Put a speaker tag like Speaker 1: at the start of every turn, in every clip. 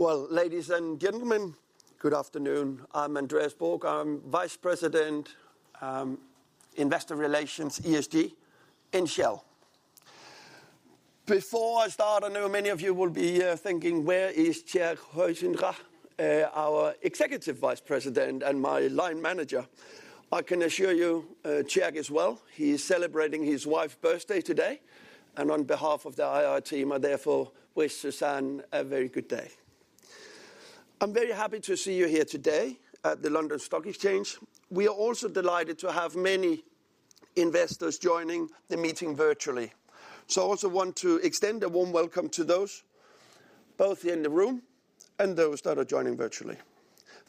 Speaker 1: Well, ladies and gentlemen, good afternoon. I'm Andreas Borg, Vice President, Investor Relations ESG in Shell. Before I start, I know many of you will be thinking, "Where is Chirag Dhara, our Executive Vice President and my line manager?" I can assure you, Chirag as well, he's celebrating his wife's birthday today, and on behalf of the IR team, I therefore wish Susanne a very good day. I'm very happy to see you here today at the London Stock Exchange. We are also delighted to have many investors joining the meeting virtually, so I also want to extend a warm welcome to those both here in the room and those that are joining virtually.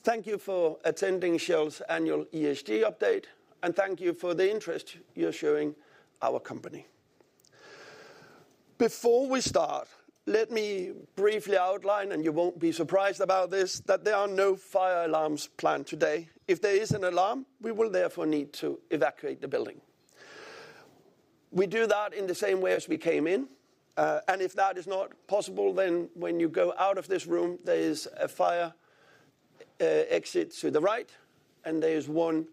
Speaker 1: Thank you for attending Shell's annual ESG update, and thank you for the interest you're showing our company. Before we start, let me briefly outline, and you won't be surprised about this, that there are no fire alarms planned today. If there is an alarm, we will therefore need to evacuate the building. We do that in the same way as we came in, and if that is not possible, then when you go out of this room, there is a fire exit to the right, and there is one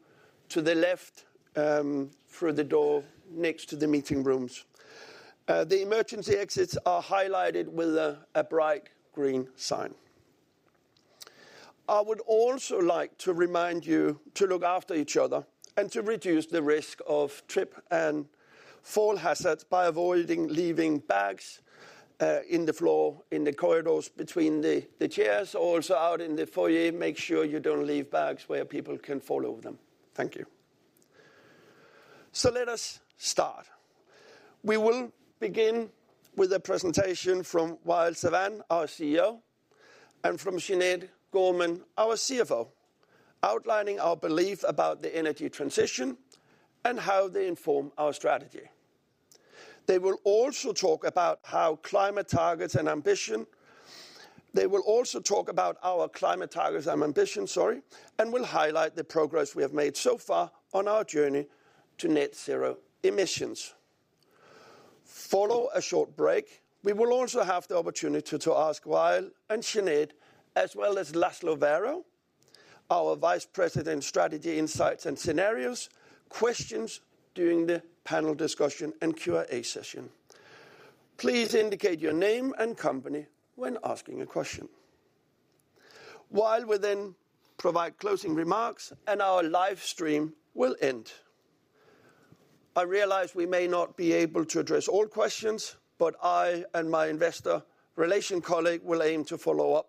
Speaker 1: to the left, through the door next to the meeting rooms. The emergency exits are highlighted with a bright green sign. I would also like to remind you to look after each other and to reduce the risk of trip and fall hazards by avoiding leaving bags in the floor, in the corridors between the chairs, or also out in the foyer. Make sure you don't leave bags where people can fall over them. Thank you. So let us start. We will begin with a presentation from Wael Sawan, our CEO, and from Sinead Gorman, our CFO, outlining our belief about the energy transition and how they inform our strategy. They will also talk about how climate targets and ambition they will also talk about our climate targets and ambition, sorry, and will highlight the progress we have made so far on our journey to net zero emissions. Following a short break, we will also have the opportunity to ask Wael and Sinead, as well as Laszlo Varro, our Vice President, Strategy Insights and Scenarios, questions during the panel discussion and Q&A session. Please indicate your name and company when asking a question. Wael will then provide closing remarks, and our live stream will end. I realize we may not be able to address all questions, but I and my investor relations colleague will aim to follow up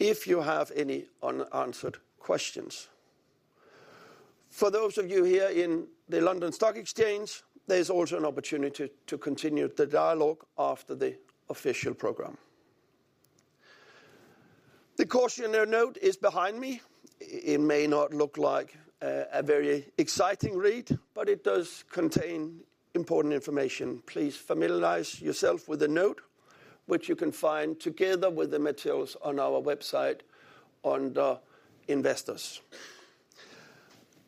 Speaker 1: if you have any unanswered questions. For those of you here in the London Stock Exchange, there's also an opportunity to continue the dialogue after the official program. The cautionary note is behind me. It may not look like a very exciting read, but it does contain important information. Please familiarize yourself with the note, which you can find together with the materials on our website under investors.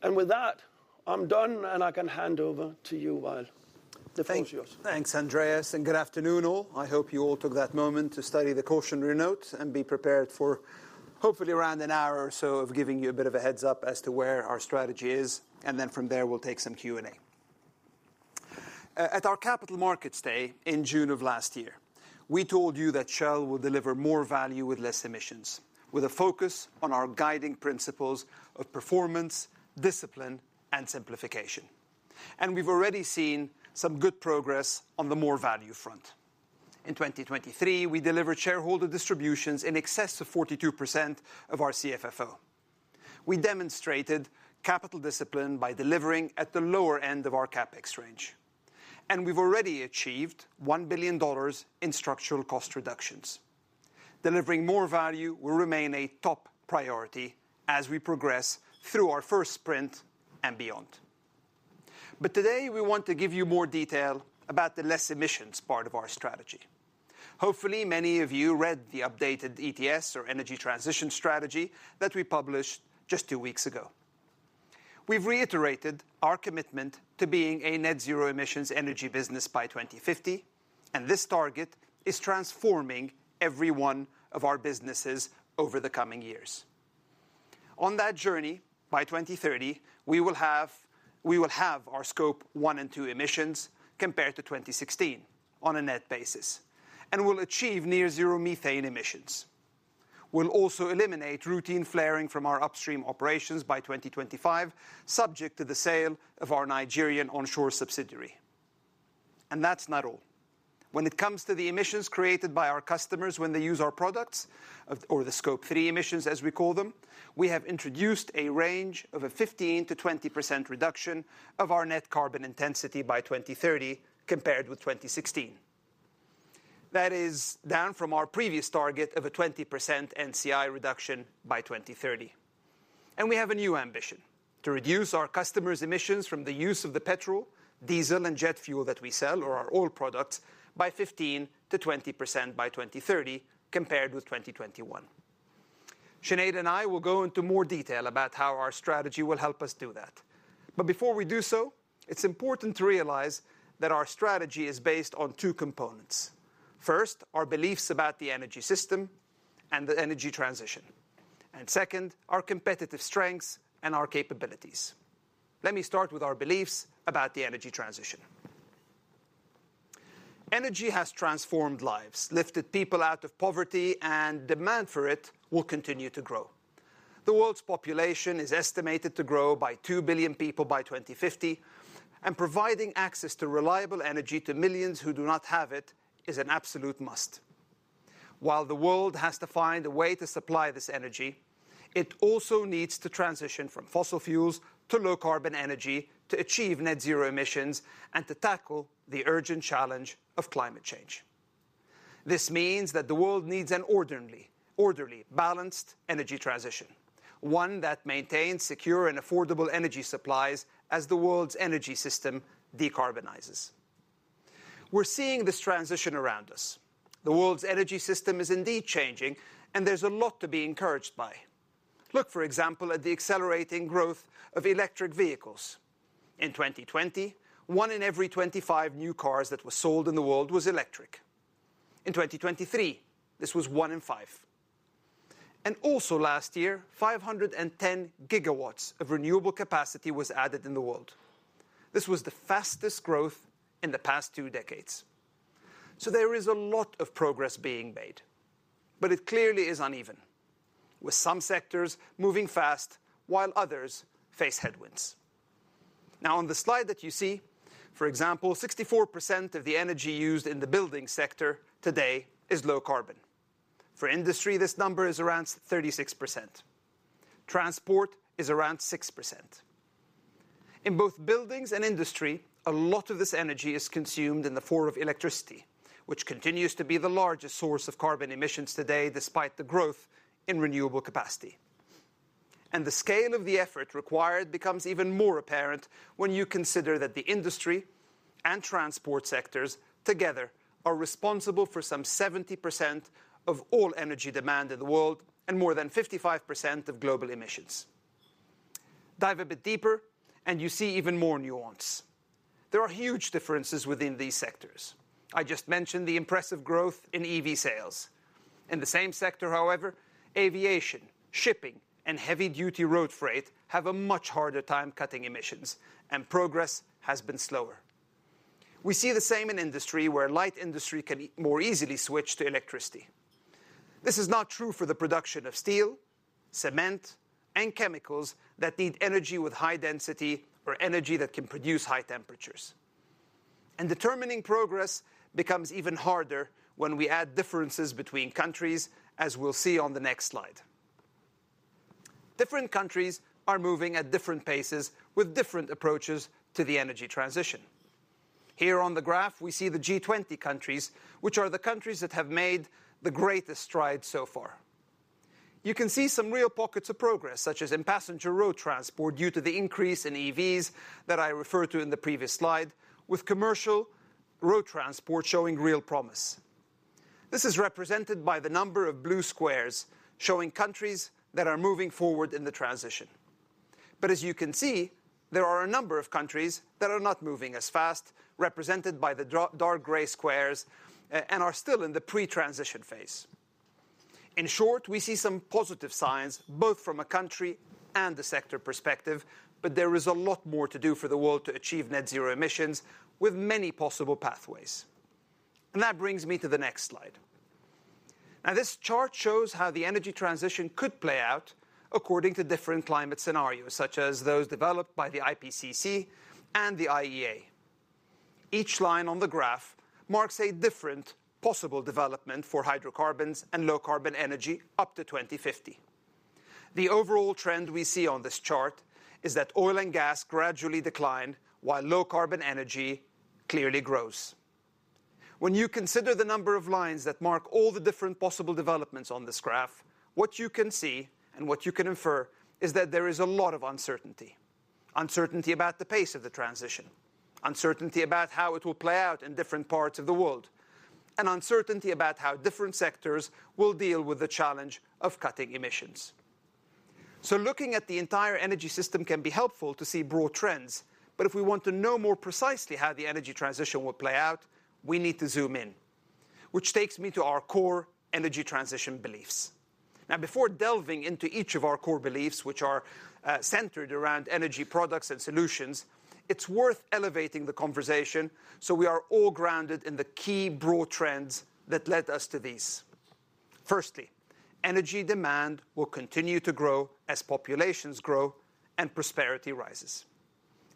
Speaker 1: And with that, I'm done, and I can hand over to you, Wael. The floor's yours.
Speaker 2: Thanks, Andreas, and good afternoon all. I hope you all took that moment to study the cautionary note and be prepared for hopefully around an hour or so of giving you a bit of a heads-up as to where our strategy is, and then from there we'll take some Q&A. At our Capital Markets Day in June of last year, we told you that Shell will deliver more value with less emissions, with a focus on our guiding principles of performance, discipline, and simplification. We've already seen some good progress on the more value front. In 2023, we delivered shareholder distributions in excess of 42% of our CFFO. We demonstrated capital discipline by delivering at the lower end of our CapEx range, and we've already achieved $1 billion in structural cost reductions. Delivering more value will remain a top priority as we progress through our first sprint and beyond. But today we want to give you more detail about the less emissions part of our strategy. Hopefully, many of you read the updated ETS, or Energy Transition Strategy, that we published just two weeks ago. We've reiterated our commitment to being a net zero emissions energy business by 2050, and this target is transforming every one of our businesses over the coming years. On that journey, by 2030, we will have our Scope 1 and Scope 2 emissions compared to 2016 on a net basis, and we'll achieve near zero methane emissions. We'll also eliminate routine flaring from our upstream operations by 2025, subject to the sale of our Nigerian onshore subsidiary. And that's not all. When it comes to the emissions created by our customers when they use our products, or the Scope 3 emissions, as we call them, we have introduced a range of 15%-20% reduction of our net carbon intensity by 2030 compared with 2016. That is down from our previous target of a 20% NCI reduction by 2030. We have a new ambition: to reduce our customers' emissions from the use of the petrol, diesel, and jet fuel that we sell, or our oil products, by 15%-20% by 2030 compared with 2021. Sinead and I will go into more detail about how our strategy will help us do that, but before we do so, it's important to realize that our strategy is based on two components. First, our beliefs about the energy system and the energy transition. Second, our competitive strengths and our capabilities. Let me start with our beliefs about the energy transition. Energy has transformed lives, lifted people out of poverty, and demand for it will continue to grow. The world's population is estimated to grow by 2 billion people by 2050, and providing access to reliable energy to millions who do not have it is an absolute must. While the world has to find a way to supply this energy, it also needs to transition from fossil fuels to low-carbon energy to achieve net zero emissions and to tackle the urgent challenge of climate change. This means that the world needs an orderly, orderly, balanced energy transition, one that maintains secure and affordable energy supplies as the world's energy system decarbonizes. We're seeing this transition around us. The world's energy system is indeed changing, and there's a lot to be encouraged by. Look, for example, at the accelerating growth of electric vehicles. In 2020, one in every 25 new cars that were sold in the world was electric. In 2023, this was one in five. Also last year, 510 GW of renewable capacity was added in the world. This was the fastest growth in the past two decades. There is a lot of progress being made, but it clearly is uneven, with some sectors moving fast while others face headwinds. Now, on the slide that you see, for example, 64% of the energy used in the building sector today is low-carbon. For industry, this number is around 36%. Transport is around 6%. In both buildings and industry, a lot of this energy is consumed in the form of electricity, which continues to be the largest source of carbon emissions today despite the growth in renewable capacity. The scale of the effort required becomes even more apparent when you consider that the industry and transport sectors together are responsible for some 70% of all energy demand in the world and more than 55% of global emissions. Dive a bit deeper, and you see even more nuance. There are huge differences within these sectors. I just mentioned the impressive growth in EV sales. In the same sector, however, aviation, shipping, and heavy-duty road freight have a much harder time cutting emissions, and progress has been slower. We see the same in industry where light industry can more easily switch to electricity. This is not true for the production of steel, cement, and chemicals that need energy with high density or energy that can produce high temperatures. Determining progress becomes even harder when we add differences between countries, as we'll see on the next slide. Different countries are moving at different paces with different approaches to the energy transition. Here on the graph, we see the G20 countries, which are the countries that have made the greatest stride so far. You can see some real pockets of progress, such as in passenger road transport due to the increase in EVs that I referred to in the previous slide, with commercial road transport showing real promise. This is represented by the number of blue squares showing countries that are moving forward in the transition. But as you can see, there are a number of countries that are not moving as fast, represented by the dark gray squares, and are still in the pre-transition phase. In short, we see some positive signs both from a country and a sector perspective, but there is a lot more to do for the world to achieve net zero emissions with many possible pathways. That brings me to the next slide. Now, this chart shows how the energy transition could play out according to different climate scenarios, such as those developed by the IPCC and the IEA. Each line on the graph marks a different possible development for hydrocarbons and low-carbon energy up to 2050. The overall trend we see on this chart is that oil and gas gradually decline while low-carbon energy clearly grows. When you consider the number of lines that mark all the different possible developments on this graph, what you can see and what you can infer is that there is a lot of uncertainty: uncertainty about the pace of the transition, uncertainty about how it will play out in different parts of the world, and uncertainty about how different sectors will deal with the challenge of cutting emissions. Looking at the entire energy system can be helpful to see broad trends, but if we want to know more precisely how the energy transition will play out, we need to zoom in, which takes me to our core energy transition beliefs. Now, before delving into each of our core beliefs, which are, centered around energy products and solutions, it's worth elevating the conversation so we are all grounded in the key broad trends that led us to these. Firstly, energy demand will continue to grow as populations grow and prosperity rises.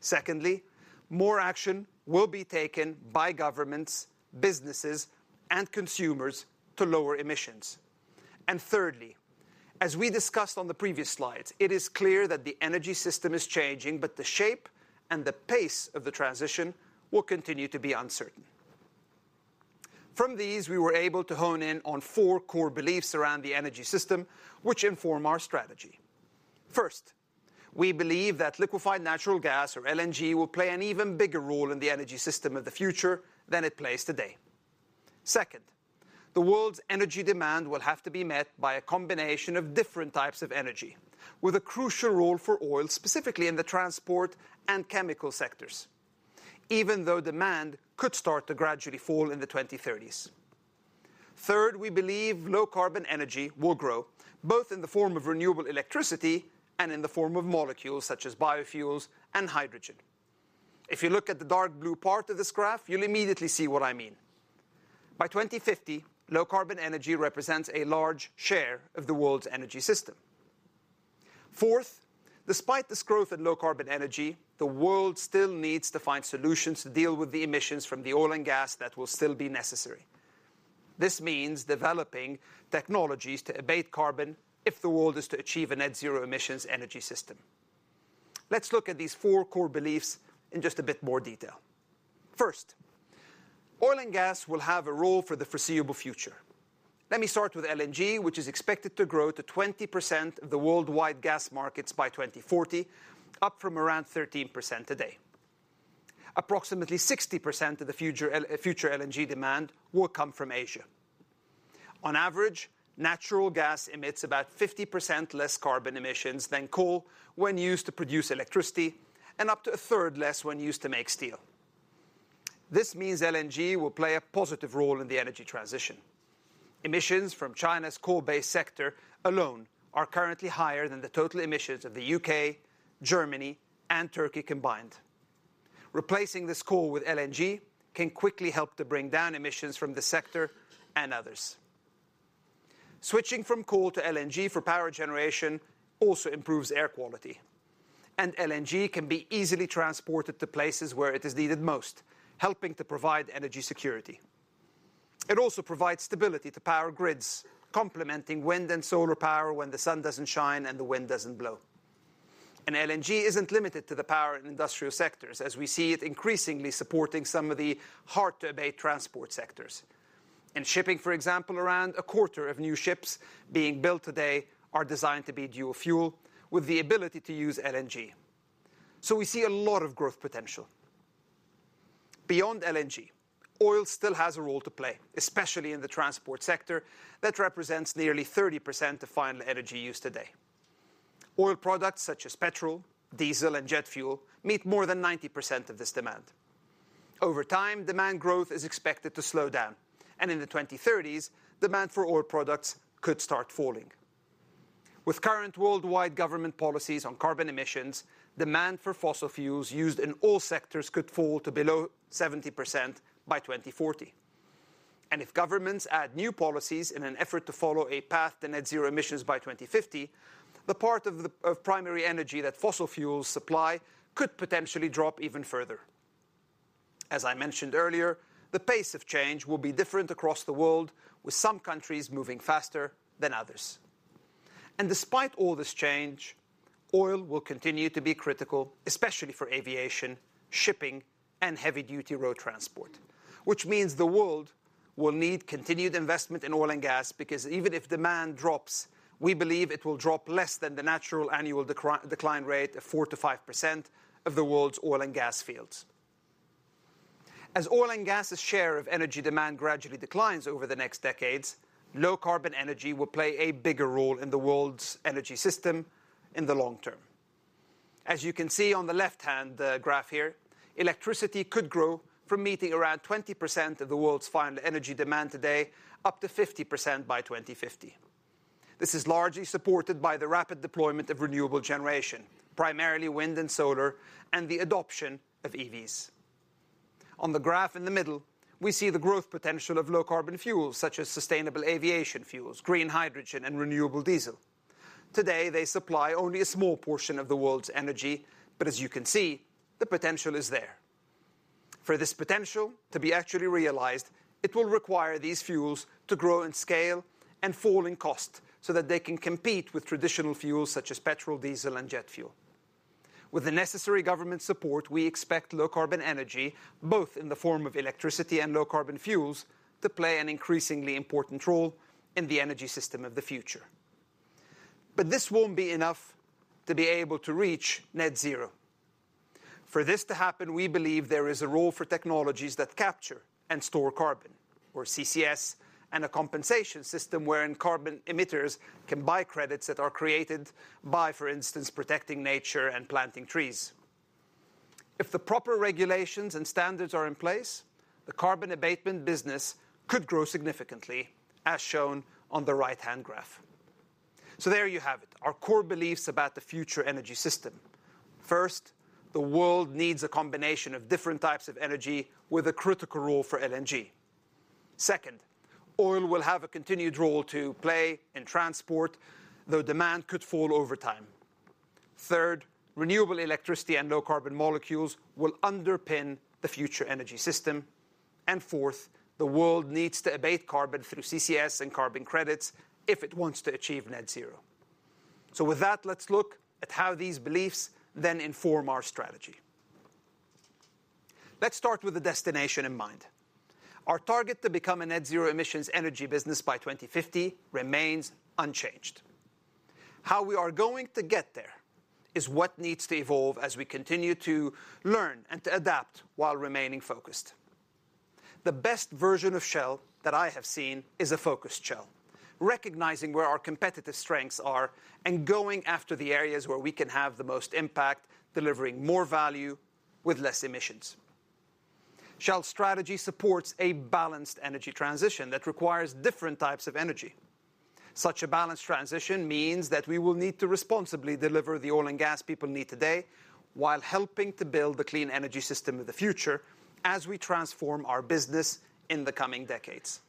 Speaker 2: Secondly, more action will be taken by governments, businesses, and consumers to lower emissions. And thirdly, as we discussed on the previous slides, it is clear that the energy system is changing, but the shape and the pace of the transition will continue to be uncertain. From these, we were able to hone in on four core beliefs around the energy system, which inform our strategy. First, we believe that liquefied natural gas, or LNG, will play an even bigger role in the energy system of the future than it plays today. Second, the world's energy demand will have to be met by a combination of different types of energy, with a crucial role for oil, specifically in the transport and chemical sectors, even though demand could start to gradually fall in the 2030s. Third, we believe low-carbon energy will grow, both in the form of renewable electricity and in the form of molecules such as biofuels and hydrogen. If you look at the dark blue part of this graph, you'll immediately see what I mean. By 2050, low-carbon energy represents a large share of the world's energy system. Fourth, despite this growth in low-carbon energy, the world still needs to find solutions to deal with the emissions from the oil and gas that will still be necessary. This means developing technologies to abate carbon if the world is to achieve a net zero emissions energy system. Let's look at these four core beliefs in just a bit more detail. First, oil and gas will have a role for the foreseeable future. Let me start with LNG, which is expected to grow to 20% of the worldwide gas markets by 2040, up from around 13% today. Approximately 60% of the future LNG demand will come from Asia. On average, natural gas emits about 50% less carbon emissions than coal when used to produce electricity, and up to a third less when used to make steel. This means LNG will play a positive role in the energy transition. Emissions from China's coal-based sector alone are currently higher than the total emissions of the U.K., Germany, and Turkey combined. Replacing this coal with LNG can quickly help to bring down emissions from the sector and others. Switching from coal to LNG for power generation also improves air quality, and LNG can be easily transported to places where it is needed most, helping to provide energy security. It also provides stability to power grids, complementing wind and solar power when the sun doesn't shine and the wind doesn't blow. LNG isn't limited to the power and industrial sectors, as we see it increasingly supporting some of the hard-to-abate transport sectors. In shipping, for example, around a quarter of new ships being built today are designed to be dual fuel, with the ability to use LNG. We see a lot of growth potential. Beyond LNG, oil still has a role to play, especially in the transport sector that represents nearly 30% of final energy use today. Oil products such as petrol, diesel, and jet fuel meet more than 90% of this demand. Over time, demand growth is expected to slow down, and in the 2030s, demand for oil products could start falling. With current worldwide government policies on carbon emissions, demand for fossil fuels used in all sectors could fall to below 70% by 2040. If governments add new policies in an effort to follow a path to net zero emissions by 2050, the part of the primary energy that fossil fuels supply could potentially drop even further. As I mentioned earlier, the pace of change will be different across the world, with some countries moving faster than others. Despite all this change, oil will continue to be critical, especially for aviation, shipping, and heavy-duty road transport, which means the world will need continued investment in oil and gas because even if demand drops, we believe it will drop less than the natural annual decline rate of 4%-5% of the world's oil and gas fields. As oil and gas's share of energy demand gradually declines over the next decades, low-carbon energy will play a bigger role in the world's energy system in the long term. As you can see on the left-hand graph here, electricity could grow from meeting around 20% of the world's final energy demand today up to 50% by 2050. This is largely supported by the rapid deployment of renewable generation, primarily wind and solar, and the adoption of EVs. On the graph in the middle, we see the growth potential of low-carbon fuels such as sustainable aviation fuels, green hydrogen, and renewable diesel. Today, they supply only a small portion of the world's energy, but as you can see, the potential is there. For this potential to be actually realized, it will require these fuels to grow in scale and fall in cost so that they can compete with traditional fuels such as petrol, diesel, and jet fuel. With the necessary government support, we expect low-carbon energy, both in the form of electricity and low-carbon fuels, to play an increasingly important role in the energy system of the future. But this won't be enough to be able to reach net zero. For this to happen, we believe there is a role for technologies that capture and store carbon, or CCS, and a compensation system wherein carbon emitters can buy credits that are created by, for instance, protecting nature and planting trees. If the proper regulations and standards are in place, the carbon abatement business could grow significantly, as shown on the right-hand graph. So there you have it, our core beliefs about the future energy system. First, the world needs a combination of different types of energy with a critical role for LNG. Second, oil will have a continued role to play in transport, though demand could fall over time. Third, renewable electricity and low-carbon molecules will underpin the future energy system. And fourth, the world needs to abate carbon through CCS and carbon credits if it wants to achieve net zero. So with that, let's look at how these beliefs then inform our strategy. Let's start with the destination in mind. Our target to become a net zero emissions energy business by 2050 remains unchanged. How we are going to get there is what needs to evolve as we continue to learn and to adapt while remaining focused. The best version of Shell that I have seen is a focused Shell, recognizing where our competitive strengths are and going after the areas where we can have the most impact, delivering more value with less emissions. Shell's strategy supports a balanced energy transition that requires different types of energy. Such a balanced transition means that we will need to responsibly deliver the oil and gas people need today while helping to build the clean energy system of the future as we transform our business in the coming decades.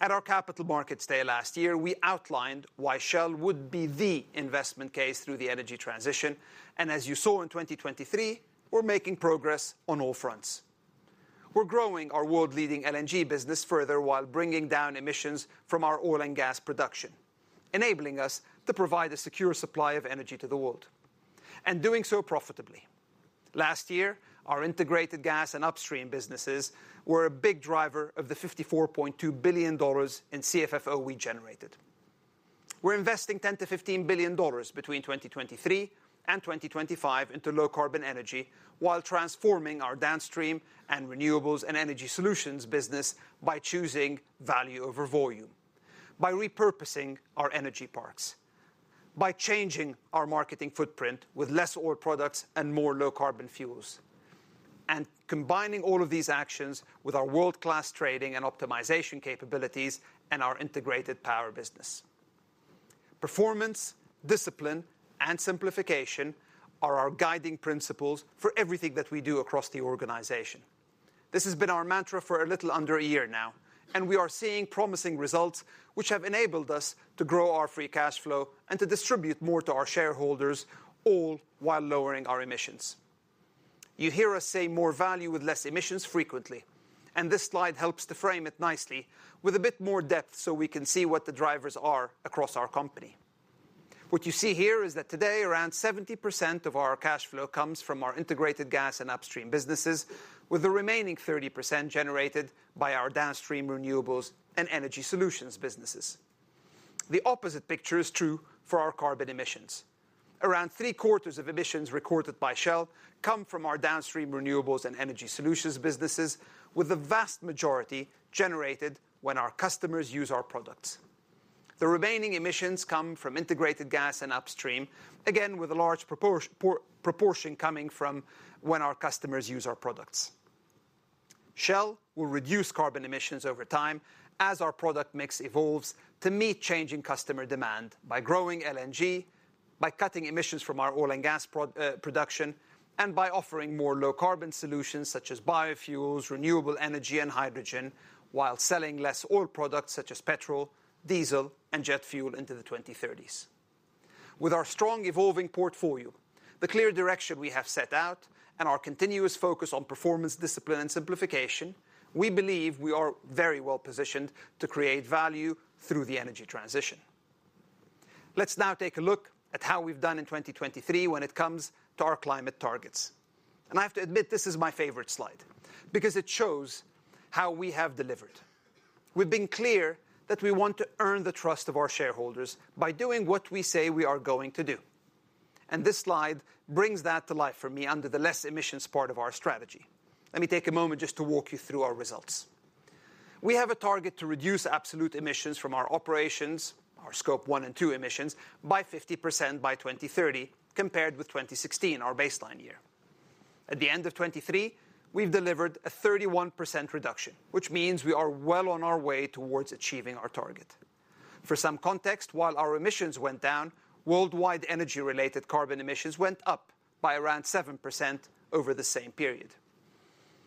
Speaker 2: At our Capital Markets Day last year, we outlined why Shell would be the investment case through the energy transition, and as you saw in 2023, we're making progress on all fronts. We're growing our world-leading LNG business further while bringing down emissions from our oil and gas production, enabling us to provide a secure supply of energy to the world, and doing so profitably. Last year, our integrated gas and upstream businesses were a big driver of the $54.2 billion in CFFO we generated. We're investing $10-$15 billion between 2023 and 2025 into low-carbon energy while transforming our downstream and renewables and energy solutions business by choosing value over volume, by repurposing our energy parks, by changing our marketing footprint with less oil products and more low-carbon fuels, and combining all of these actions with our world-class trading and optimization capabilities and our integrated power business. Performance, discipline, and simplification are our guiding principles for everything that we do across the organization. This has been our mantra for a little under a year now, and we are seeing promising results which have enabled us to grow our free cash flow and to distribute more to our shareholders, all while lowering our emissions. You hear us say more value with less emissions frequently, and this slide helps to frame it nicely with a bit more depth so we can see what the drivers are across our company. What you see here is that today, around 70% of our cash flow comes from our integrated gas and upstream businesses, with the remaining 30% generated by our downstream renewables and energy solutions businesses. The opposite picture is true for our carbon emissions. Around three-quarters of emissions recorded by Shell come from our downstream renewables and energy solutions businesses, with the vast majority generated when our customers use our products. The remaining emissions come from integrated gas and upstream, again with a large proportion coming from when our customers use our products. Shell will reduce carbon emissions over time as our product mix evolves to meet changing customer demand by growing LNG, by cutting emissions from our oil and gas production, and by offering more low-carbon solutions such as biofuels, renewable energy, and hydrogen while selling less oil products such as petrol, diesel, and jet fuel into the 2030s. With our strong evolving portfolio, the clear direction we have set out, and our continuous focus on performance, discipline, and simplification, we believe we are very well positioned to create value through the energy transition. Let's now take a look at how we've done in 2023 when it comes to our climate targets. And I have to admit, this is my favorite slide because it shows how we have delivered. We've been clear that we want to earn the trust of our shareholders by doing what we say we are going to do. And this slide brings that to life for me under the less emissions part of our strategy. Let me take a moment just to walk you through our results. We have a target to reduce absolute emissions from our operations, our Scope 1 and Scope 2 emissions, by 50% by 2030 compared with 2016, our baseline year. At the end of 2023, we've delivered a 31% reduction, which means we are well on our way towards achieving our target. For some context, while our emissions went down, worldwide energy-related carbon emissions went up by around 7% over the same period.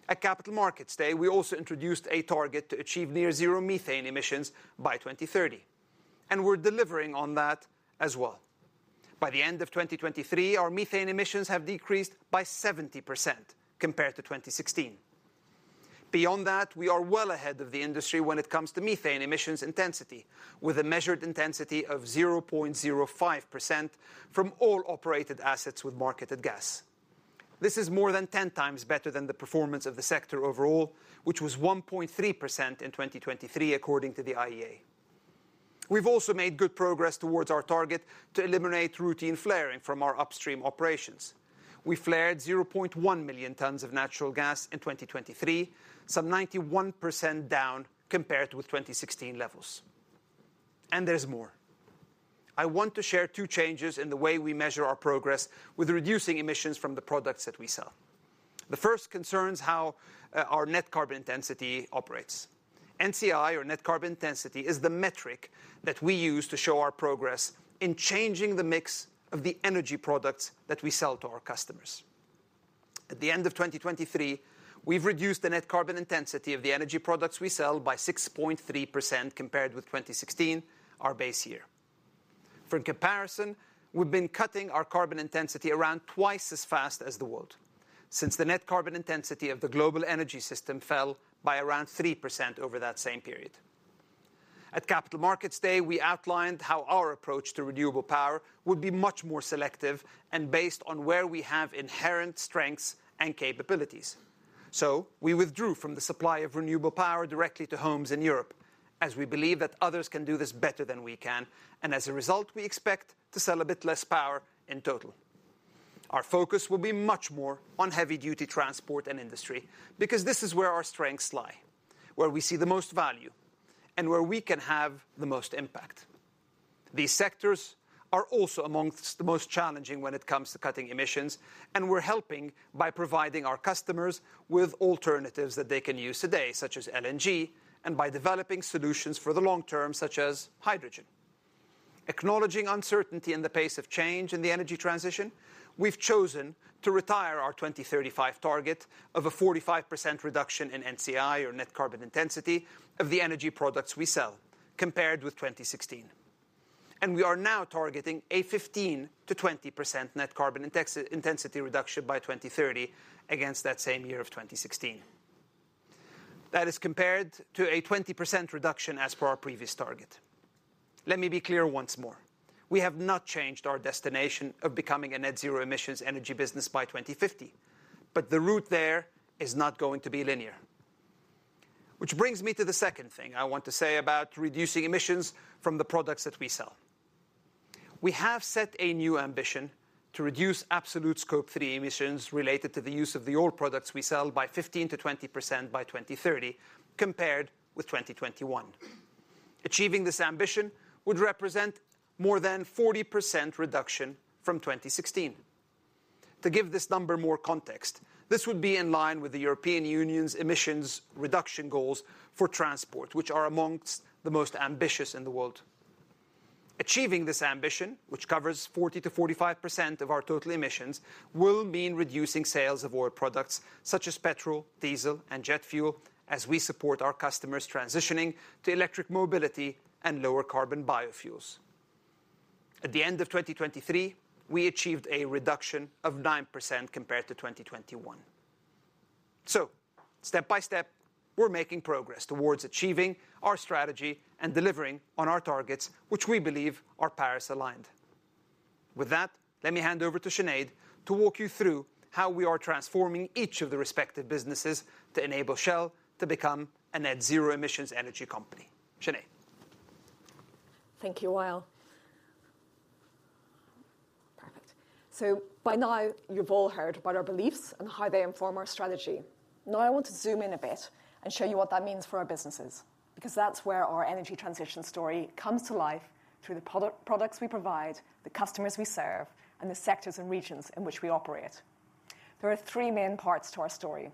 Speaker 2: At Capital Markets Day, we also introduced a target to achieve near-zero methane emissions by 2030, and we're delivering on that as well. By the end of 2023, our methane emissions have decreased by 70% compared to 2016. Beyond that, we are well ahead of the industry when it comes to methane emissions intensity, with a measured intensity of 0.05% from all operated assets with marketed gas. This is more than 10 times better than the performance of the sector overall, which was 1.3% in 2023 according to the IEA. We've also made good progress towards our target to eliminate routine flaring from our upstream operations. We flared 0.1 million tons of natural gas in 2023, some 91% down compared with 2016 levels. And there's more. I want to share two changes in the way we measure our progress with reducing emissions from the products that we sell. The first concerns how our net carbon intensity operates. NCI, or net carbon intensity, is the metric that we use to show our progress in changing the mix of the energy products that we sell to our customers. At the end of 2023, we've reduced the net carbon intensity of the energy products we sell by 6.3% compared with 2016, our base year. For comparison, we've been cutting our carbon intensity around twice as fast as the world since the net carbon intensity of the global energy system fell by around 3% over that same period. At Capital Markets Day, we outlined how our approach to renewable power would be much more selective and based on where we have inherent strengths and capabilities. So we withdrew from the supply of renewable power directly to homes in Europe as we believe that others can do this better than we can, and as a result, we expect to sell a bit less power in total. Our focus will be much more on heavy-duty transport and industry because this is where our strengths lie, where we see the most value, and where we can have the most impact. These sectors are also among the most challenging when it comes to cutting emissions, and we're helping by providing our customers with alternatives that they can use today, such as LNG, and by developing solutions for the long term such as hydrogen. Acknowledging uncertainty and the pace of change in the energy transition, we've chosen to retire our 2035 target of a 45% reduction in NCI, or net carbon intensity, of the energy products we sell compared with 2016. We are now targeting a 15%-20% net carbon intensity reduction by 2030 against that same year of 2016. That is compared to a 20% reduction as per our previous target. Let me be clear once more. We have not changed our destination of becoming a Net Zero emissions energy business by 2050, but the route there is not going to be linear. Which brings me to the second thing I want to say about reducing emissions from the products that we sell. We have set a new ambition to reduce absolute Scope 3 emissions related to the use of the oil products we sell by 15%-20% by 2030 compared with 2021. Achieving this ambition would represent more than 40% reduction from 2016. To give this number more context, this would be in line with the European Union's emissions reduction goals for transport, which are among the most ambitious in the world. Achieving this ambition, which covers 40%-45% of our total emissions, will mean reducing sales of oil products such as petrol, diesel, and jet fuel as we support our customers transitioning to electric mobility and lower-carbon biofuels. At the end of 2023, we achieved a reduction of 9% compared to 2021. So step by step, we're making progress towards achieving our strategy and delivering on our targets, which we believe are Paris-aligned. With that, let me hand over to Sinead to walk you through how we are transforming each of the respective businesses to enable Shell to become a Net Zero emissions energy company. Sinead.
Speaker 3: Thank you, Wael. Perfect. So by now, you've all heard about our beliefs and how they inform our strategy. Now I want to zoom in a bit and show you what that means for our businesses because that's where our energy transition story comes to life through the products we provide, the customers we serve, and the sectors and regions in which we operate. There are three main parts to our story.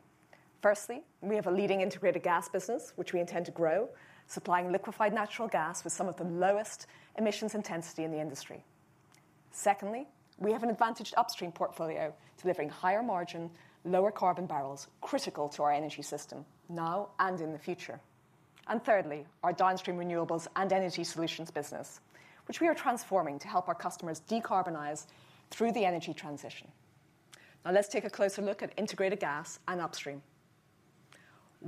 Speaker 3: Firstly, we have a leading integrated gas business, which we intend to grow, supplying liquefied natural gas with some of the lowest emissions intensity in the industry. Secondly, we have an advantaged upstream portfolio delivering higher margin, lower carbon barrels critical to our energy system now and in the future. And thirdly, our downstream renewables and energy solutions business, which we are transforming to help our customers decarbonize through the energy transition. Now let's take a closer look at integrated gas and upstream.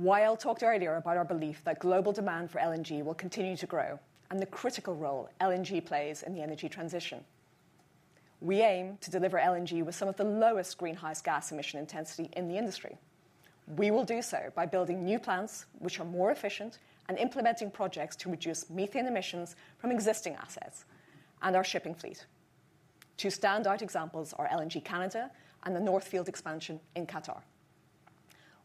Speaker 3: Wael talked earlier about our belief that global demand for LNG will continue to grow and the critical role LNG plays in the energy transition. We aim to deliver LNG with some of the lowest greenhouse gas emission intensity in the industry. We will do so by building new plants, which are more efficient, and implementing projects to reduce methane emissions from existing assets and our shipping fleet. Two standout examples are LNG Canada and the North Field expansion in Qatar.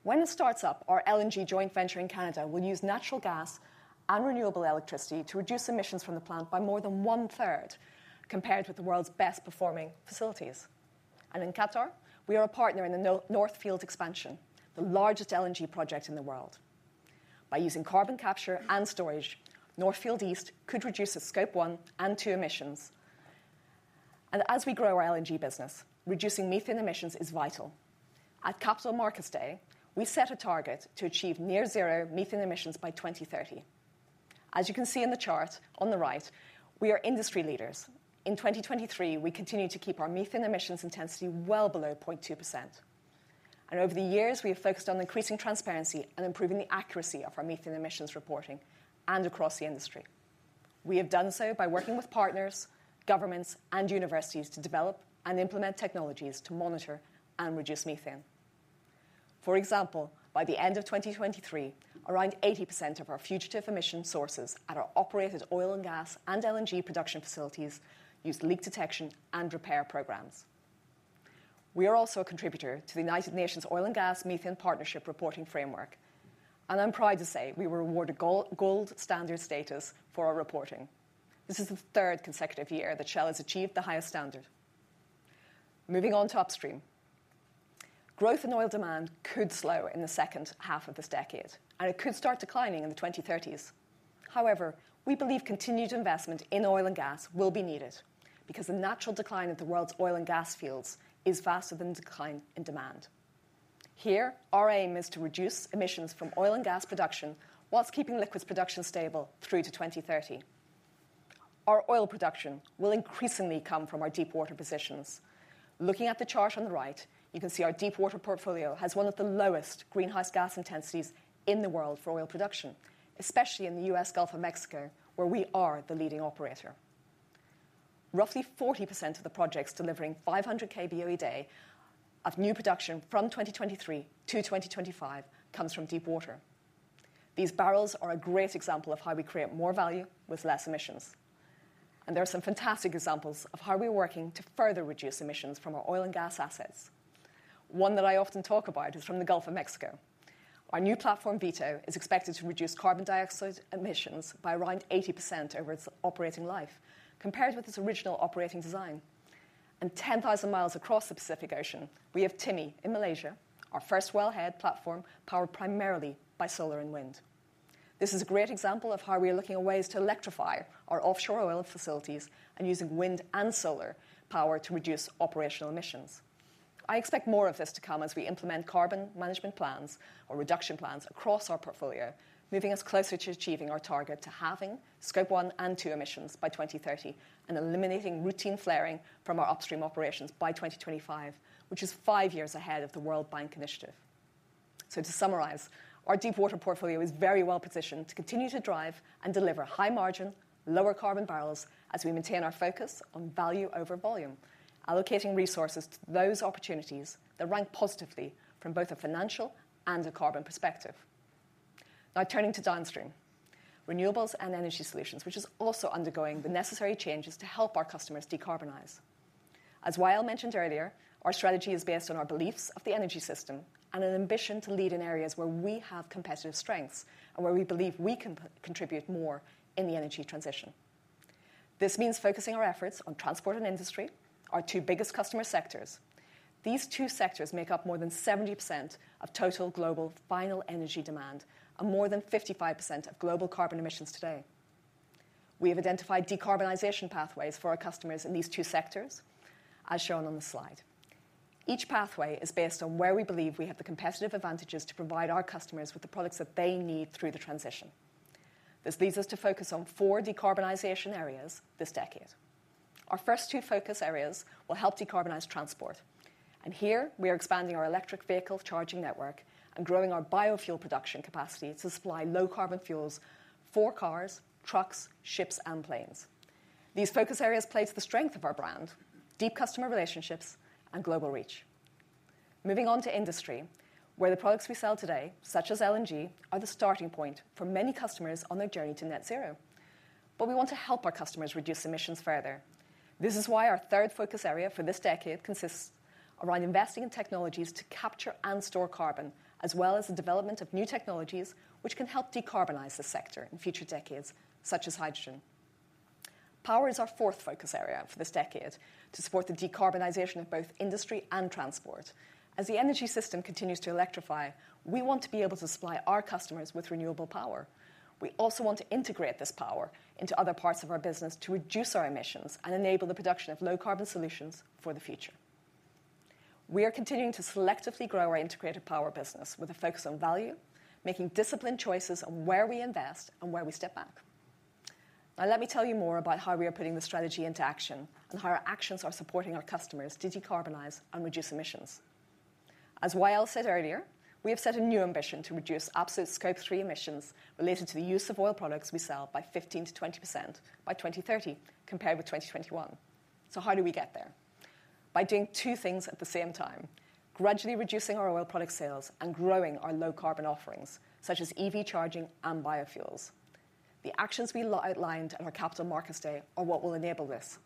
Speaker 3: When it starts up, our LNG joint venture in Canada will use natural gas and renewable electricity to reduce emissions from the plant by more than one-third compared with the world's best-performing facilities. And in Qatar, we are a partner in the North Field expansion, the largest LNG project in the world. By using carbon capture and storage, North Field East could reduce its Scope 1 and 2 emissions. And as we grow our LNG business, reducing methane emissions is vital. At Capital Markets Day, we set a target to achieve near-zero methane emissions by 2030. As you can see in the chart on the right, we are industry leaders. In 2023, we continue to keep our methane emissions intensity well below 0.2%. And over the years, we have focused on increasing transparency and improving the accuracy of our methane emissions reporting and across the industry. We have done so by working with partners, governments, and universities to develop and implement technologies to monitor and reduce methane. For example, by the end of 2023, around 80% of our fugitive emission sources at our operated oil and gas and LNG production facilities used leak detection and repair programs. We are also a contributor to the United Nations Oil and Gas Methane Partnership Reporting Framework, and I'm proud to say we were awarded Gold Standard status for our reporting. This is the third consecutive year that Shell has achieved the highest standard. Moving on to Upstream. Growth in oil demand could slow in the second half of this decade, and it could start declining in the 2030s. However, we believe continued investment in oil and gas will be needed because the natural decline of the world's oil and gas fields is faster than the decline in demand. Here, our aim is to reduce emissions from oil and gas production while keeping liquids production stable through to 2030. Our oil production will increasingly come from our deep-water positions. Looking at the chart on the right, you can see our deep-water portfolio has one of the lowest greenhouse gas intensities in the world for oil production, especially in the U.S. Gulf of Mexico, where we are the leading operator. Roughly 40% of the projects delivering 500 kboe day of new production from 2023 to 2025 comes from deep water. These barrels are a great example of how we create more value with less emissions. There are some fantastic examples of how we're working to further reduce emissions from our oil and gas assets. One that I often talk about is from the Gulf of Mexico. Our new platform, Vito, is expected to reduce carbon dioxide emissions by around 80% over its operating life compared with its original operating design. 10,000 miles across the Pacific Ocean, we have Timi in Malaysia, our first wellhead platform powered primarily by solar and wind. This is a great example of how we are looking at ways to electrify our offshore oil facilities and using wind and solar power to reduce operational emissions. I expect more of this to come as we implement carbon management plans or reduction plans across our portfolio, moving us closer to achieving our target to halving Scope 1 and 2 emissions by 2030 and eliminating routine flaring from our upstream operations by 2025, which is five years ahead of the World Bank initiative. To summarize, our deep-water portfolio is very well positioned to continue to drive and deliver high-margin, lower-carbon barrels as we maintain our focus on value over volume, allocating resources to those opportunities that rank positively from both a financial and a carbon perspective. Now turning to downstream. Renewables and energy solutions, which is also undergoing the necessary changes to help our customers decarbonize. As Wael mentioned earlier, our strategy is based on our beliefs of the energy system and an ambition to lead in areas where we have competitive strengths and where we believe we can contribute more in the energy transition. This means focusing our efforts on transport and industry, our two biggest customer sectors. These two sectors make up more than 70% of total global final energy demand and more than 55% of global carbon emissions today. We have identified decarbonization pathways for our customers in these two sectors, as shown on the slide. Each pathway is based on where we believe we have the competitive advantages to provide our customers with the products that they need through the transition. This leads us to focus on four decarbonization areas this decade. Our first two focus areas will help decarbonize transport. Here, we are expanding our electric vehicle charging network and growing our biofuel production capacity to supply low-carbon fuels for cars, trucks, ships, and planes. These focus areas play to the strength of our brand, deep customer relationships, and global reach. Moving on to industry, where the products we sell today, such as LNG, are the starting point for many customers on their journey to Net Zero. We want to help our customers reduce emissions further. This is why our third focus area for this decade consists around investing in technologies to capture and store carbon, as well as the development of new technologies which can help decarbonize this sector in future decades, such as hydrogen. Power is our fourth focus area for this decade to support the decarbonization of both industry and transport. As the energy system continues to electrify, we want to be able to supply our customers with renewable power. We also want to integrate this power into other parts of our business to reduce our emissions and enable the production of low-carbon solutions for the future. We are continuing to selectively grow our integrated power business with a focus on value, making disciplined choices on where we invest and where we step back. Now let me tell you more about how we are putting the strategy into action and how our actions are supporting our customers to decarbonize and reduce emissions. As Wael said earlier, we have set a new ambition to reduce absolute Scope 3 emissions related to the use of oil products we sell by 15%-20% by 2030 compared with 2021. So how do we get there? By doing two things at the same time: gradually reducing our oil product sales and growing our low-carbon offerings, such as EV charging and biofuels. The actions we outlined at our Capital Markets Day are what will enable this.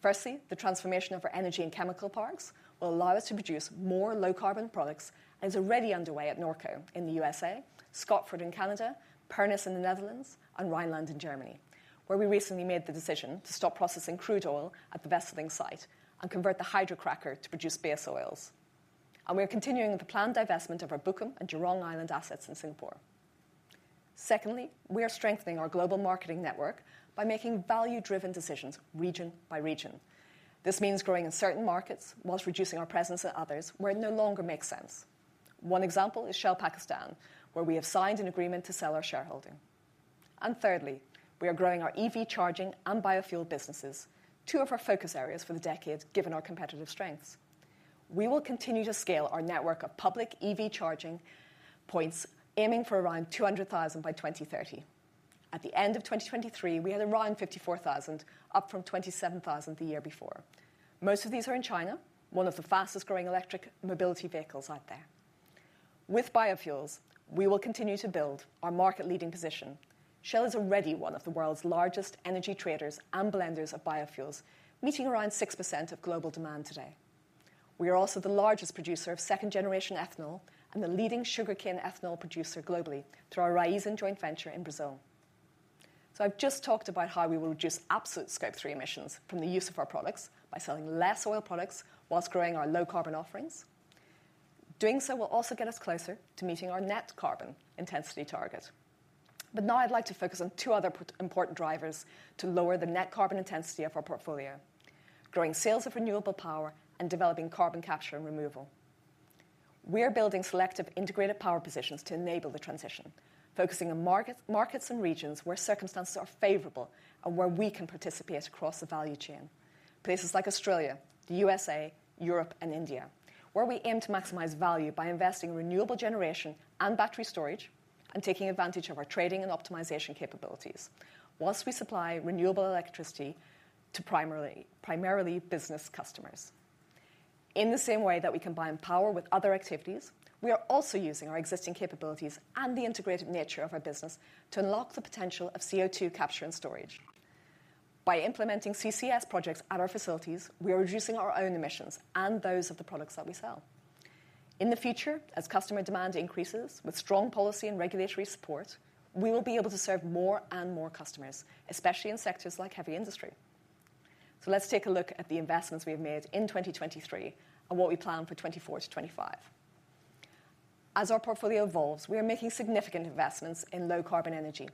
Speaker 3: Firstly, the transformation of our energy and chemical parks will allow us to produce more low-carbon products and is already underway at Norco in the USA, Scotford in Canada, Pernis in the Netherlands, and Rhineland in Germany, where we recently made the decision to stop processing crude oil at the Wesseling site and convert the hydrocracker to produce base oils. We are continuing the planned divestment of our Bukom and Jurong Island assets in Singapore. Secondly, we are strengthening our global marketing network by making value-driven decisions region by region. This means growing in certain markets while reducing our presence in others where it no longer makes sense. One example is Shell Pakistan, where we have signed an agreement to sell our shareholding. Thirdly, we are growing our EV charging and biofuel businesses, two of our focus areas for the decade given our competitive strengths. We will continue to scale our network of public EV charging points, aiming for around 200,000 by 2030. At the end of 2023, we had around 54,000, up from 27,000 the year before. Most of these are in China, one of the fastest-growing electric mobility vehicles out there. With biofuels, we will continue to build our market-leading position. Shell is already one of the world's largest energy traders and blenders of biofuels, meeting around 6% of global demand today. We are also the largest producer of second-generation ethanol and the leading sugar cane ethanol producer globally through our Raízen joint venture in Brazil. So I've just talked about how we will reduce absolute Scope 3 emissions from the use of our products by selling less oil products while growing our low-carbon offerings. Doing so will also get us closer to meeting our net carbon intensity target. Now I'd like to focus on two other important drivers to lower the net carbon intensity of our portfolio: growing sales of renewable power and developing carbon capture and removal. We are building selective integrated power positions to enable the transition, focusing on markets and regions where circumstances are favorable and where we can participate across the value chain: places like Australia, the USA, Europe, and India, where we aim to maximize value by investing in renewable generation and battery storage and taking advantage of our trading and optimization capabilities whilst we supply renewable electricity to primarily business customers. In the same way that we combine power with other activities, we are also using our existing capabilities and the integrated nature of our business to unlock the potential of CO2 capture and storage. By implementing CCS projects at our facilities, we are reducing our own emissions and those of the products that we sell. In the future, as customer demand increases with strong policy and regulatory support, we will be able to serve more and more customers, especially in sectors like heavy industry. So let's take a look at the investments we have made in 2023 and what we plan for 2024 to 2025. As our portfolio evolves, we are making significant investments in low-carbon energy.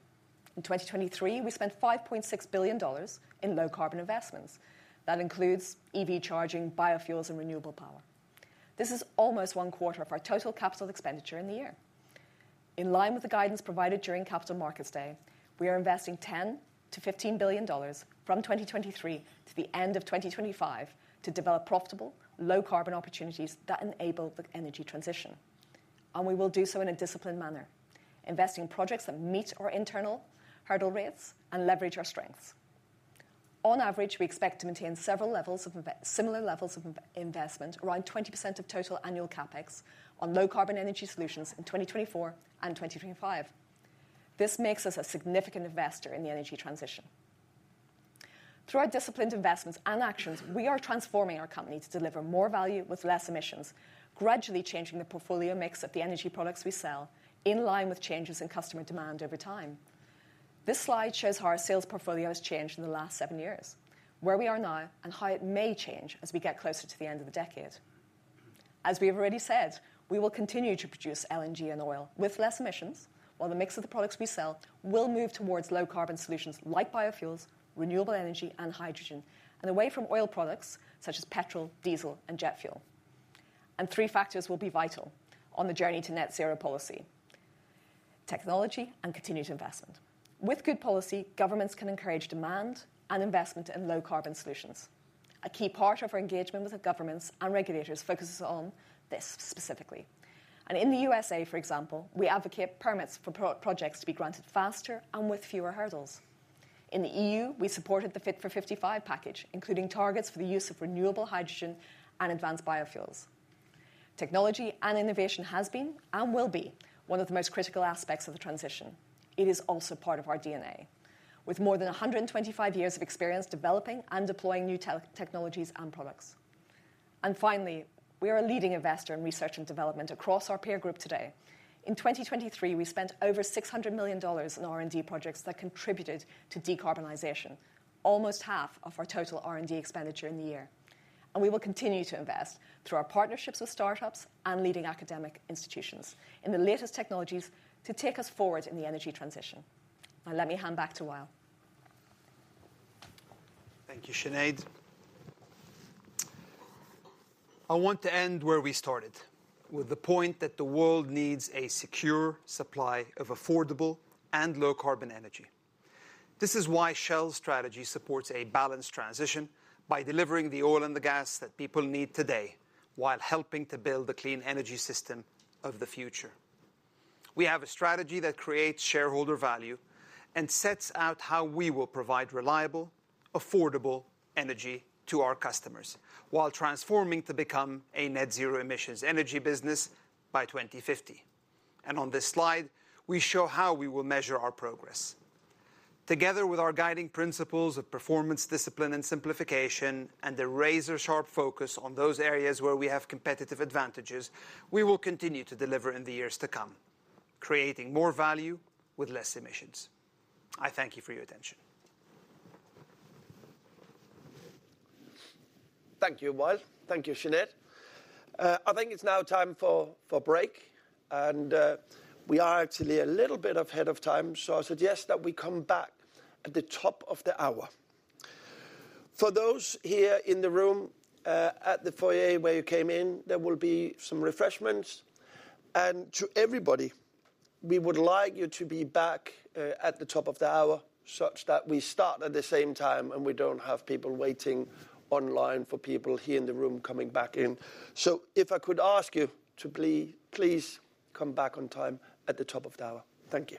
Speaker 3: In 2023, we spent $5.6 billion in low-carbon investments. That includes EV charging, biofuels, and renewable power. This is almost one-quarter of our total capital expenditure in the year. In line with the guidance provided during Capital Markets Day, we are investing $10-$15 billion from 2023 to the end of 2025 to develop profitable, low-carbon opportunities that enable the energy transition. We will do so in a disciplined manner, investing in projects that meet our internal hurdle rates and leverage our strengths. On average, we expect to maintain several similar levels of investment, around 20% of total annual CapEx, on low-carbon energy solutions in 2024 and 2025. This makes us a significant investor in the energy transition. Through our disciplined investments and actions, we are transforming our company to deliver more value with less emissions, gradually changing the portfolio mix of the energy products we sell in line with changes in customer demand over time. This slide shows how our sales portfolio has changed in the last seven years, where we are now, and how it may change as we get closer to the end of the decade. As we have already said, we will continue to produce LNG and oil with less emissions, while the mix of the products we sell will move towards low-carbon solutions like biofuels, renewable energy, and hydrogen, and away from oil products such as petrol, diesel, and jet fuel. Three factors will be vital on the journey to Net Zero policy: technology and continued investment. With good policy, governments can encourage demand and investment in low-carbon solutions. A key part of our engagement with governments and regulators focuses on this specifically. In the U.S.A., for example, we advocate permits for projects to be granted faster and with fewer hurdles. In the EU, we supported the Fit for 55 package, including targets for the use of renewable hydrogen and advanced biofuels. Technology and innovation has been and will be one of the most critical aspects of the transition. It is also part of our DNA, with more than 125 years of experience developing and deploying new technologies and products. And finally, we are a leading investor in research and development across our peer group today. In 2023, we spent over $600 million in R&D projects that contributed to decarbonization, almost half of our total R&D expenditure in the year. And we will continue to invest through our partnerships with startups and leading academic institutions in the latest technologies to take us forward in the energy transition. Now let me hand back to Wael.
Speaker 2: Thank you, Sinead. I want to end where we started, with the point that the world needs a secure supply of affordable and low-carbon energy. This is why Shell's strategy supports a balanced transition by delivering the oil and the gas that people need today while helping to build the clean energy system of the future. We have a strategy that creates shareholder value and sets out how we will provide reliable, affordable energy to our customers while transforming to become a Net Zero emissions energy business by 2050. On this slide, we show how we will measure our progress. Together with our guiding principles of performance, discipline, and simplification, and a razor-sharp focus on those areas where we have competitive advantages, we will continue to deliver in the years to come, creating more value with less emissions. I thank you for your attention.
Speaker 1: Thank you, Wael. Thank you, Sinead. I think it's now time for a break. We are actually a little bit ahead of time, so I suggest that we come back at the top of the hour. For those here in the room at the foyer where you came in, there will be some refreshments. To everybody, we would like you to be back at the top of the hour such that we start at the same time and we don't have people waiting online for people here in the room coming back in. If I could ask you to please come back on time at the top of the hour. Thank you.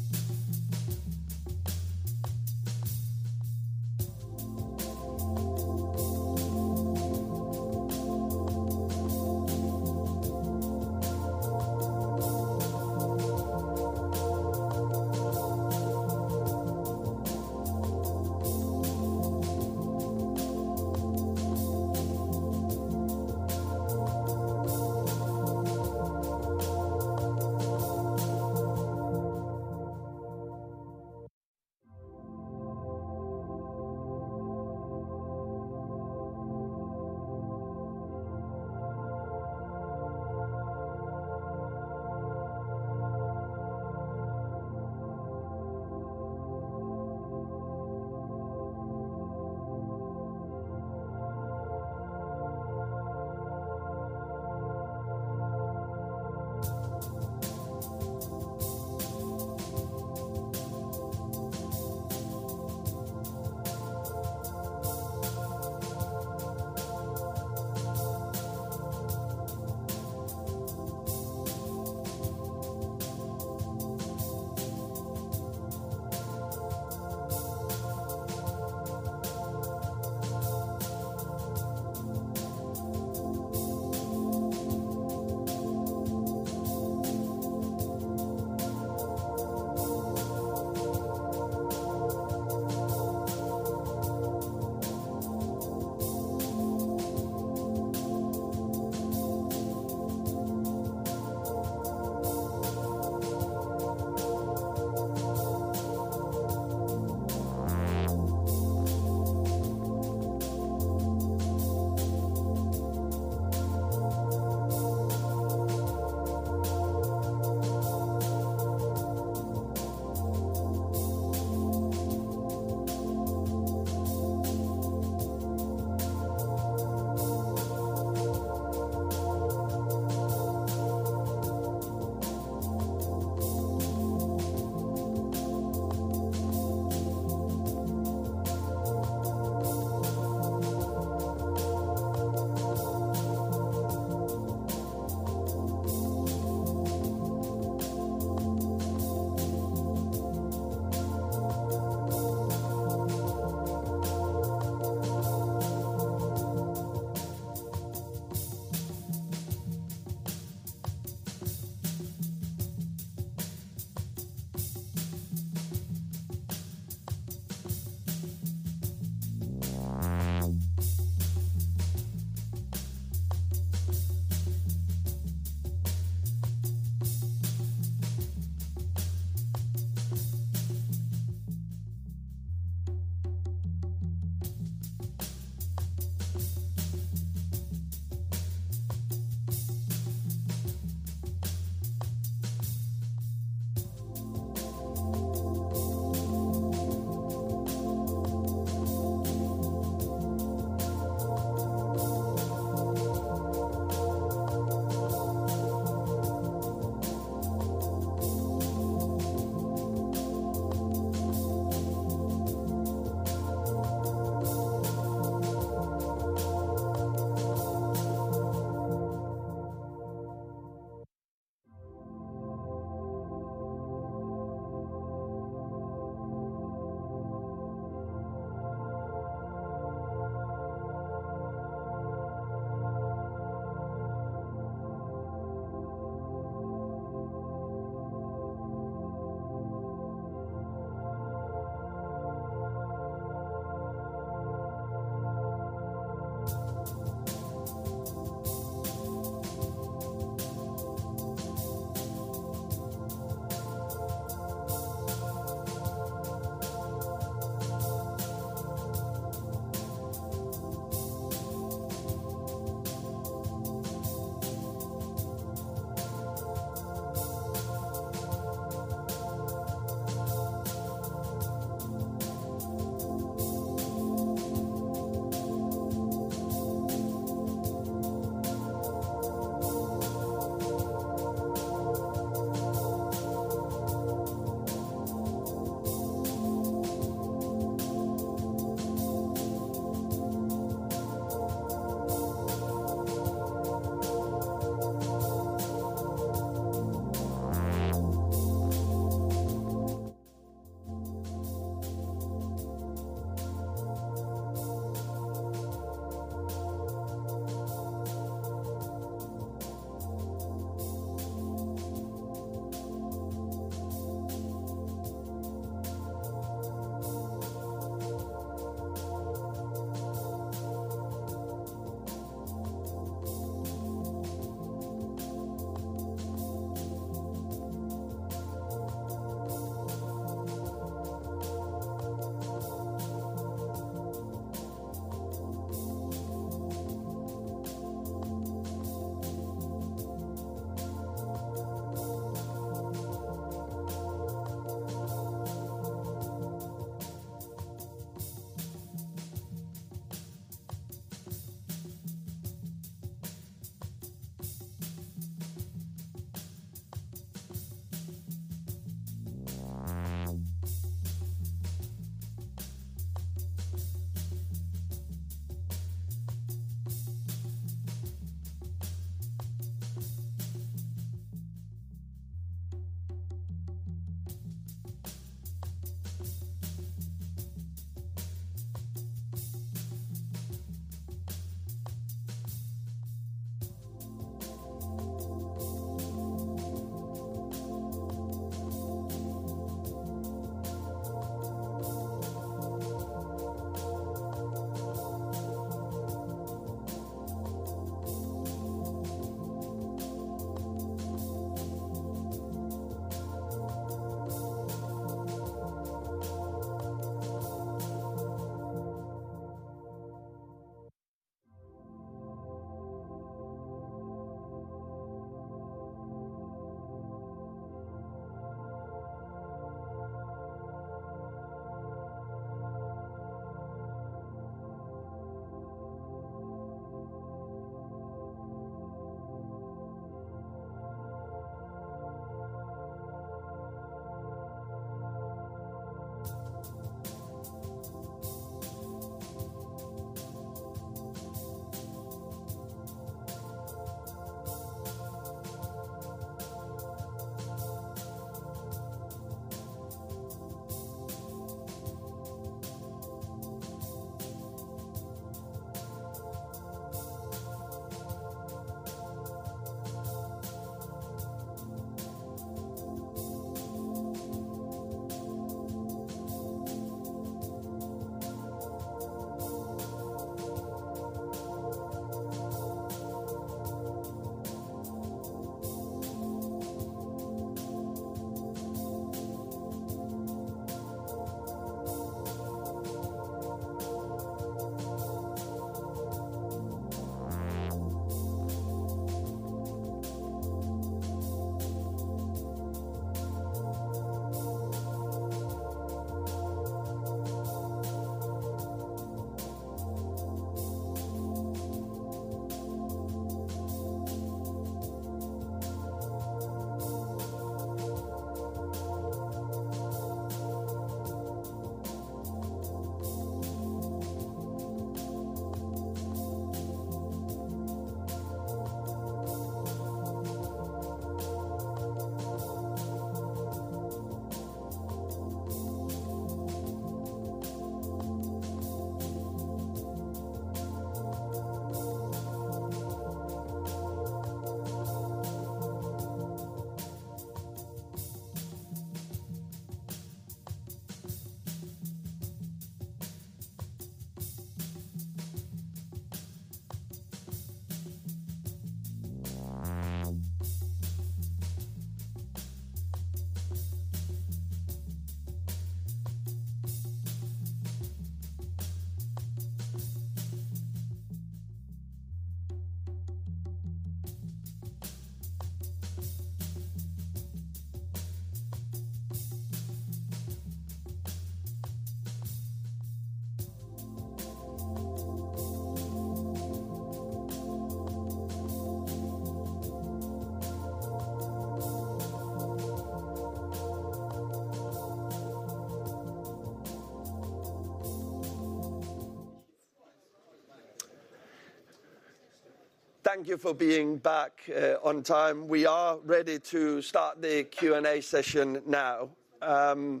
Speaker 1: Thank you for being back on time. We are ready to start the Q&A session now. The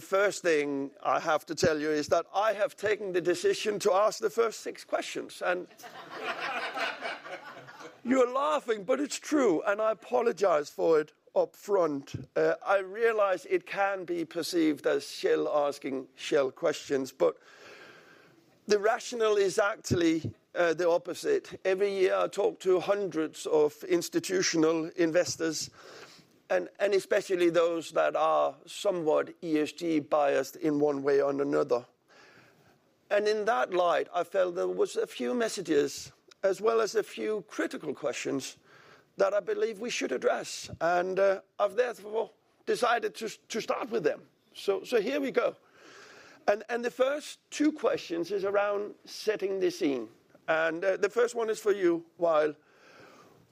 Speaker 1: first thing I have to tell you is that I have taken the decision to ask the first six questions, and you're laughing, but it's true, and I apologize for it upfront. I realize it can be perceived as Shell asking Shell questions, but the rationale is actually the opposite. Every year, I talk to hundreds of institutional investors, and especially those that are somewhat ESG-biased in one way or another. In that light, I felt there were a few messages as well as a few critical questions that I believe we should address, and I've therefore decided to start with them. So here we go. The first two questions are around setting the scene, and the first one is for you, Wael.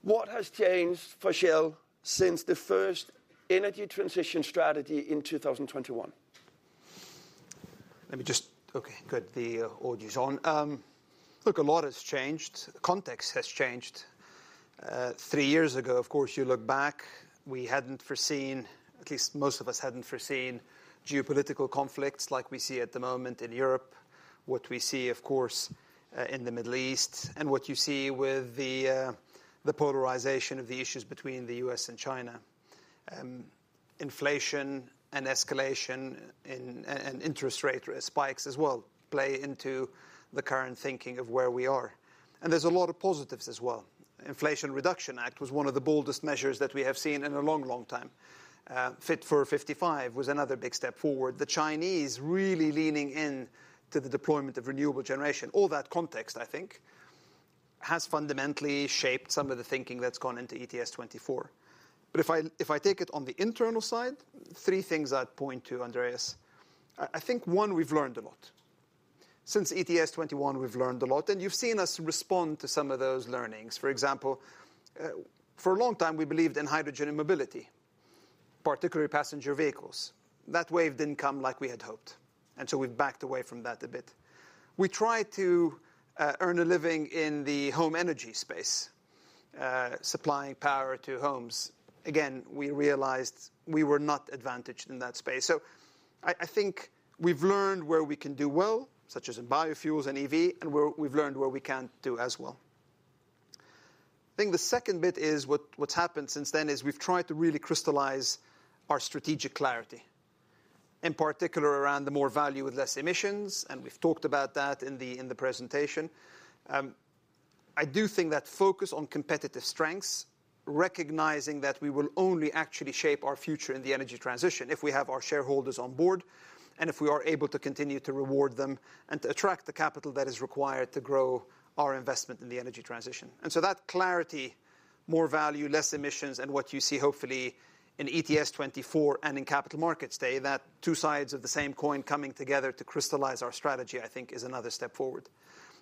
Speaker 1: What has changed for Shell since the first energy transition strategy in 2021?
Speaker 2: Let me just okay, good. The audio's on. Look, a lot has changed. Context has changed. Three years ago, of course, you look back, we hadn't foreseen at least most of us hadn't foreseen geopolitical conflicts like we see at the moment in Europe, what we see, of course, in the Middle East, and what you see with the polarization of the issues between the U.S. and China. Inflation and escalation and interest rate spikes as well play into the current thinking of where we are. There's a lot of positives as well. Inflation Reduction Act was one of the boldest measures that we have seen in a long, long time. Fit for 55 was another big step forward. The Chinese really leaning in to the deployment of renewable generation. All that context, I think, has fundamentally shaped some of the thinking that's gone into ETS24. But if I take it on the internal side, three things I'd point to, Andreas. I think, one, we've learned a lot. Since ETS21, we've learned a lot, and you've seen us respond to some of those learnings. For example, for a long time, we believed in hydrogen mobility, particularly passenger vehicles. That wave didn't come like we had hoped, and so we've backed away from that a bit. We tried to earn a living in the home energy space, supplying power to homes. Again, we realized we were not advantaged in that space. So I think we've learned where we can do well, such as in biofuels and EV, and we've learned where we can't do as well. I think the second bit is what's happened since then is we've tried to really crystallize our strategic clarity, in particular around the more value with less emissions, and we've talked about that in the presentation. I do think that focus on competitive strengths, recognizing that we will only actually shape our future in the energy transition if we have our shareholders on board and if we are able to continue to reward them and to attract the capital that is required to grow our investment in the energy transition. And so that clarity, more value, less emissions, and what you see, hopefully, in ETS24 and in capital markets today, that two sides of the same coin coming together to crystallize our strategy, I think, is another step forward.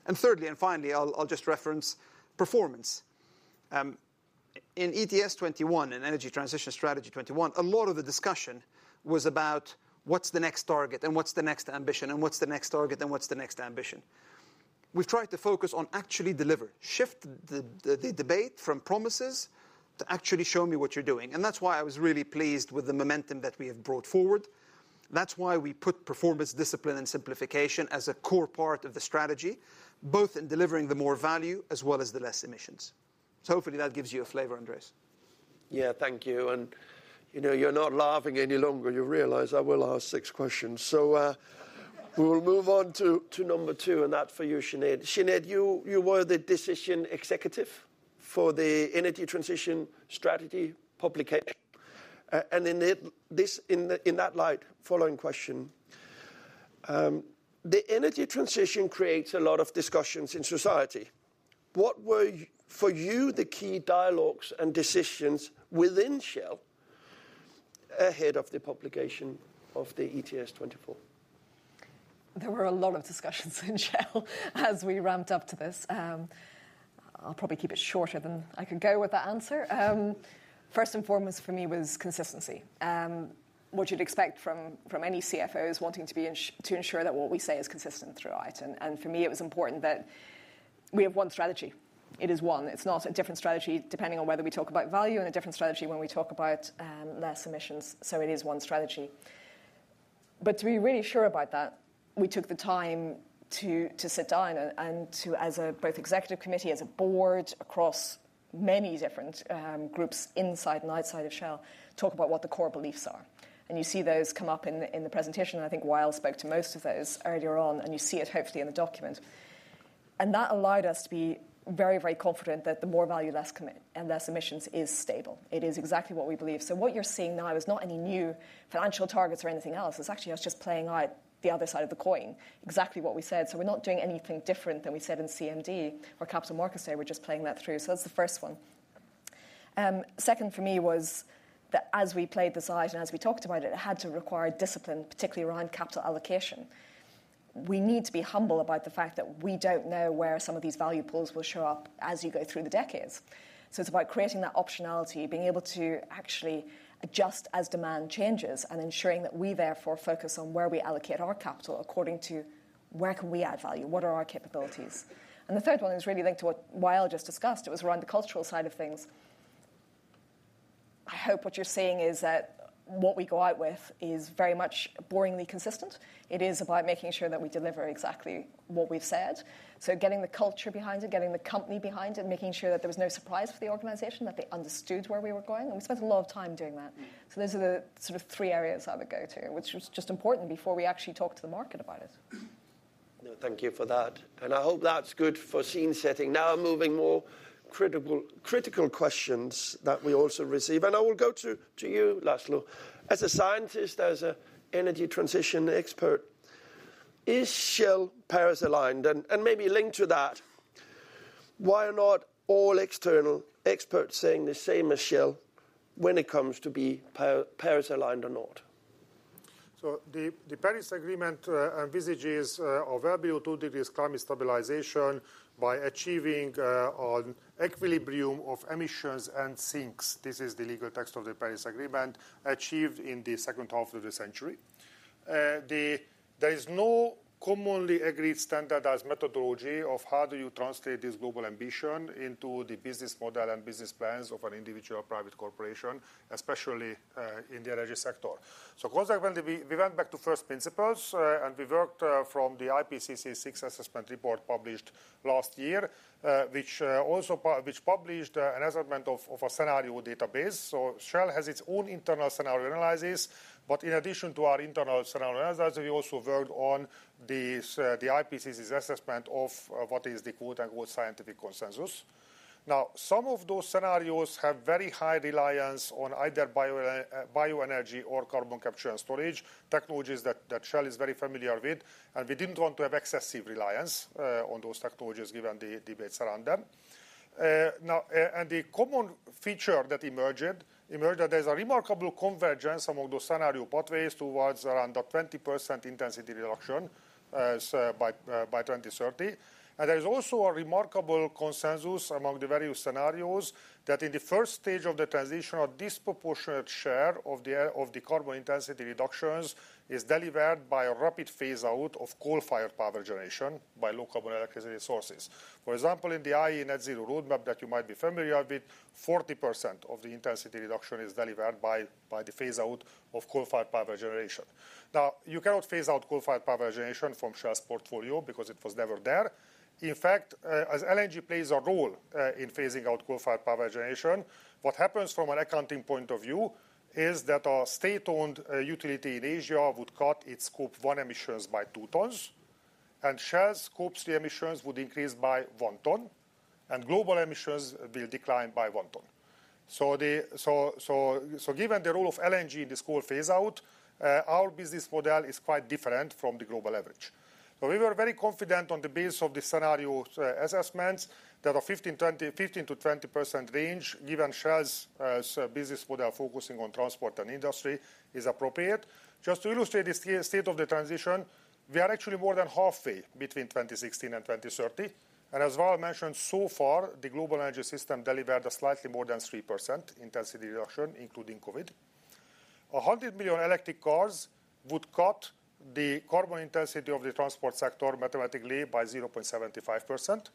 Speaker 2: And thirdly, and finally, I'll just reference performance. In ETS21, in Energy Transition Strategy 21, a lot of the discussion was about what's the next target and what's the next ambition and what's the next target and what's the next ambition. We've tried to focus on actually deliver, shift the debate from promises to actually show me what you're doing. And that's why I was really pleased with the momentum that we have brought forward. That's why we put performance, discipline, and simplification as a core part of the strategy, both in delivering the more value as well as the less emissions. So hopefully, that gives you a flavor, Andreas.
Speaker 1: Yeah, thank you. And you're not laughing any longer. You realize I will ask six questions. So we will move on to number two, and that's for you, Sinead. Sinead, you were the decision executive for the energy transition strategy publication. And in that light, following question. The energy transition creates a lot of discussions in society. What were, for you, the key dialogues and decisions within Shell ahead of the publication of the ETS24?
Speaker 3: There were a lot of discussions in Shell as we ramped up to this. I'll probably keep it shorter than I could go with that answer. First and foremost, for me, was consistency. What you'd expect from any CFOs wanting to ensure that what we say is consistent throughout. And for me, it was important that we have one strategy. It is one. It's not a different strategy depending on whether we talk about value and a different strategy when we talk about less emissions. So it is one strategy. But to be really sure about that, we took the time to sit down and to, as both executive committee, as a board across many different groups inside and outside of Shell, talk about what the core beliefs are. And you see those come up in the presentation. I think Wael spoke to most of those earlier on, and you see it, hopefully, in the document. And that allowed us to be very, very confident that the more value, less emissions is stable. It is exactly what we believe. So what you're seeing now is not any new financial targets or anything else. It's actually us just playing out the other side of the coin, exactly what we said. So we're not doing anything different than we said in CMD or Capital Markets Day. We're just playing that through. So that's the first one. Second, for me, was that as we played this out and as we talked about it, it had to require discipline, particularly around capital allocation. We need to be humble about the fact that we don't know where some of these value pools will show up as you go through the decades. So it's about creating that optionality, being able to actually adjust as demand changes, and ensuring that we, therefore, focus on where we allocate our capital according to where can we add value, what are our capabilities. And the third one is really linked to what Wael just discussed. It was around the cultural side of things. I hope what you're seeing is that what we go out with is very much boringly consistent. It is about making sure that we deliver exactly what we've said. So getting the culture behind it, getting the company behind it, making sure that there was no surprise for the organization, that they understood where we were going. And we spent a lot of time doing that. So those are the sort of three areas I would go to, which was just important before we actually talked to the market about it.
Speaker 1: No, thank you for that. And I hope that's good for scene setting. Now, moving more critical questions that we also receive. And I will go to you, Laszlo. As a scientist, as an energy transition expert, is Shell Paris-aligned? And maybe link to that, why are not all external experts saying the same as Shell when it comes to being Paris-aligned or not?
Speaker 4: So the Paris Agreement envisages available two degrees climate stabilization by achieving an equilibrium of emissions and sinks. This is the legal text of the Paris Agreement achieved in the second half of the century. There is no commonly agreed standardized methodology of how do you translate this global ambition into the business model and business plans of an individual private corporation, especially in the energy sector. So consequently, we went back to first principles, and we worked from the IPCC's Sixth Assessment Report published last year, which published an assessment of a scenario database. So Shell has its own internal scenario analysis. But in addition to our internal scenario analysis, we also worked on the IPCC's assessment of what is the quote-unquote "scientific consensus." Now, some of those scenarios have very high reliance on either bioenergy or carbon capture and storage, technologies that Shell is very familiar with. And we didn't want to have excessive reliance on those technologies, given the debates around them. The common feature that emerged is that there's a remarkable convergence among those scenario pathways towards around the 20% intensity reduction by 2030. There is also a remarkable consensus among the various scenarios that in the first stage of the transition, a disproportionate share of the carbon intensity reductions is delivered by a rapid phase-out of coal-fired power generation by low-carbon electricity sources. For example, in the IEA Net Zero Roadmap that you might be familiar with, 40% of the intensity reduction is delivered by the phase-out of coal-fired power generation. Now, you cannot phase out coal-fired power generation from Shell's portfolio because it was never there. In fact, as LNG plays a role in phasing out coal-fired power generation, what happens from an accounting point of view is that a state-owned utility in Asia would cut its Scope 1 emissions by 2 tons, and Shell's Scope 3 emissions would increase by 1 ton, and global emissions will decline by 1 ton. So given the role of LNG in this coal phase-out, our business model is quite different from the global average. So we were very confident on the basis of the scenario assessments that a 15%-20% range, given Shell's business model focusing on transport and industry, is appropriate. Just to illustrate the state of the transition, we are actually more than halfway between 2016 and 2030. As Wael mentioned, so far, the global energy system delivered a slightly more than 3% intensity reduction, including COVID. 100 million electric cars would cut the carbon intensity of the transport sector mathematically by 0.75%.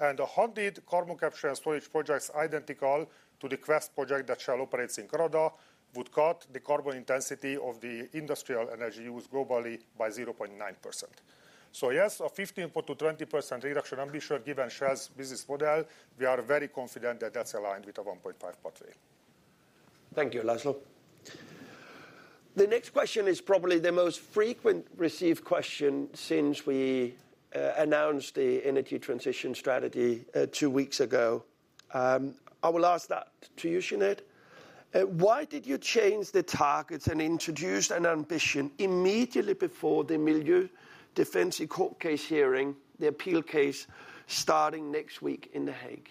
Speaker 4: And 100 carbon capture and storage projects, identical to the Quest project that Shell operates in Canada, would cut the carbon intensity of the industrial energy use globally by 0.9%. So yes, a 15%-20% reduction ambition, given Shell's business model, we are very confident that that's aligned with a 1.5 pathway.
Speaker 1: Thank you, László. The next question is probably the most frequent received question since we announced the energy transition strategy two weeks ago. I will ask that to you, Sinead. Why did you change the targets and introduce an ambition immediately before the Milieudefensie Court case hearing, the appeal case starting next week in The Hague?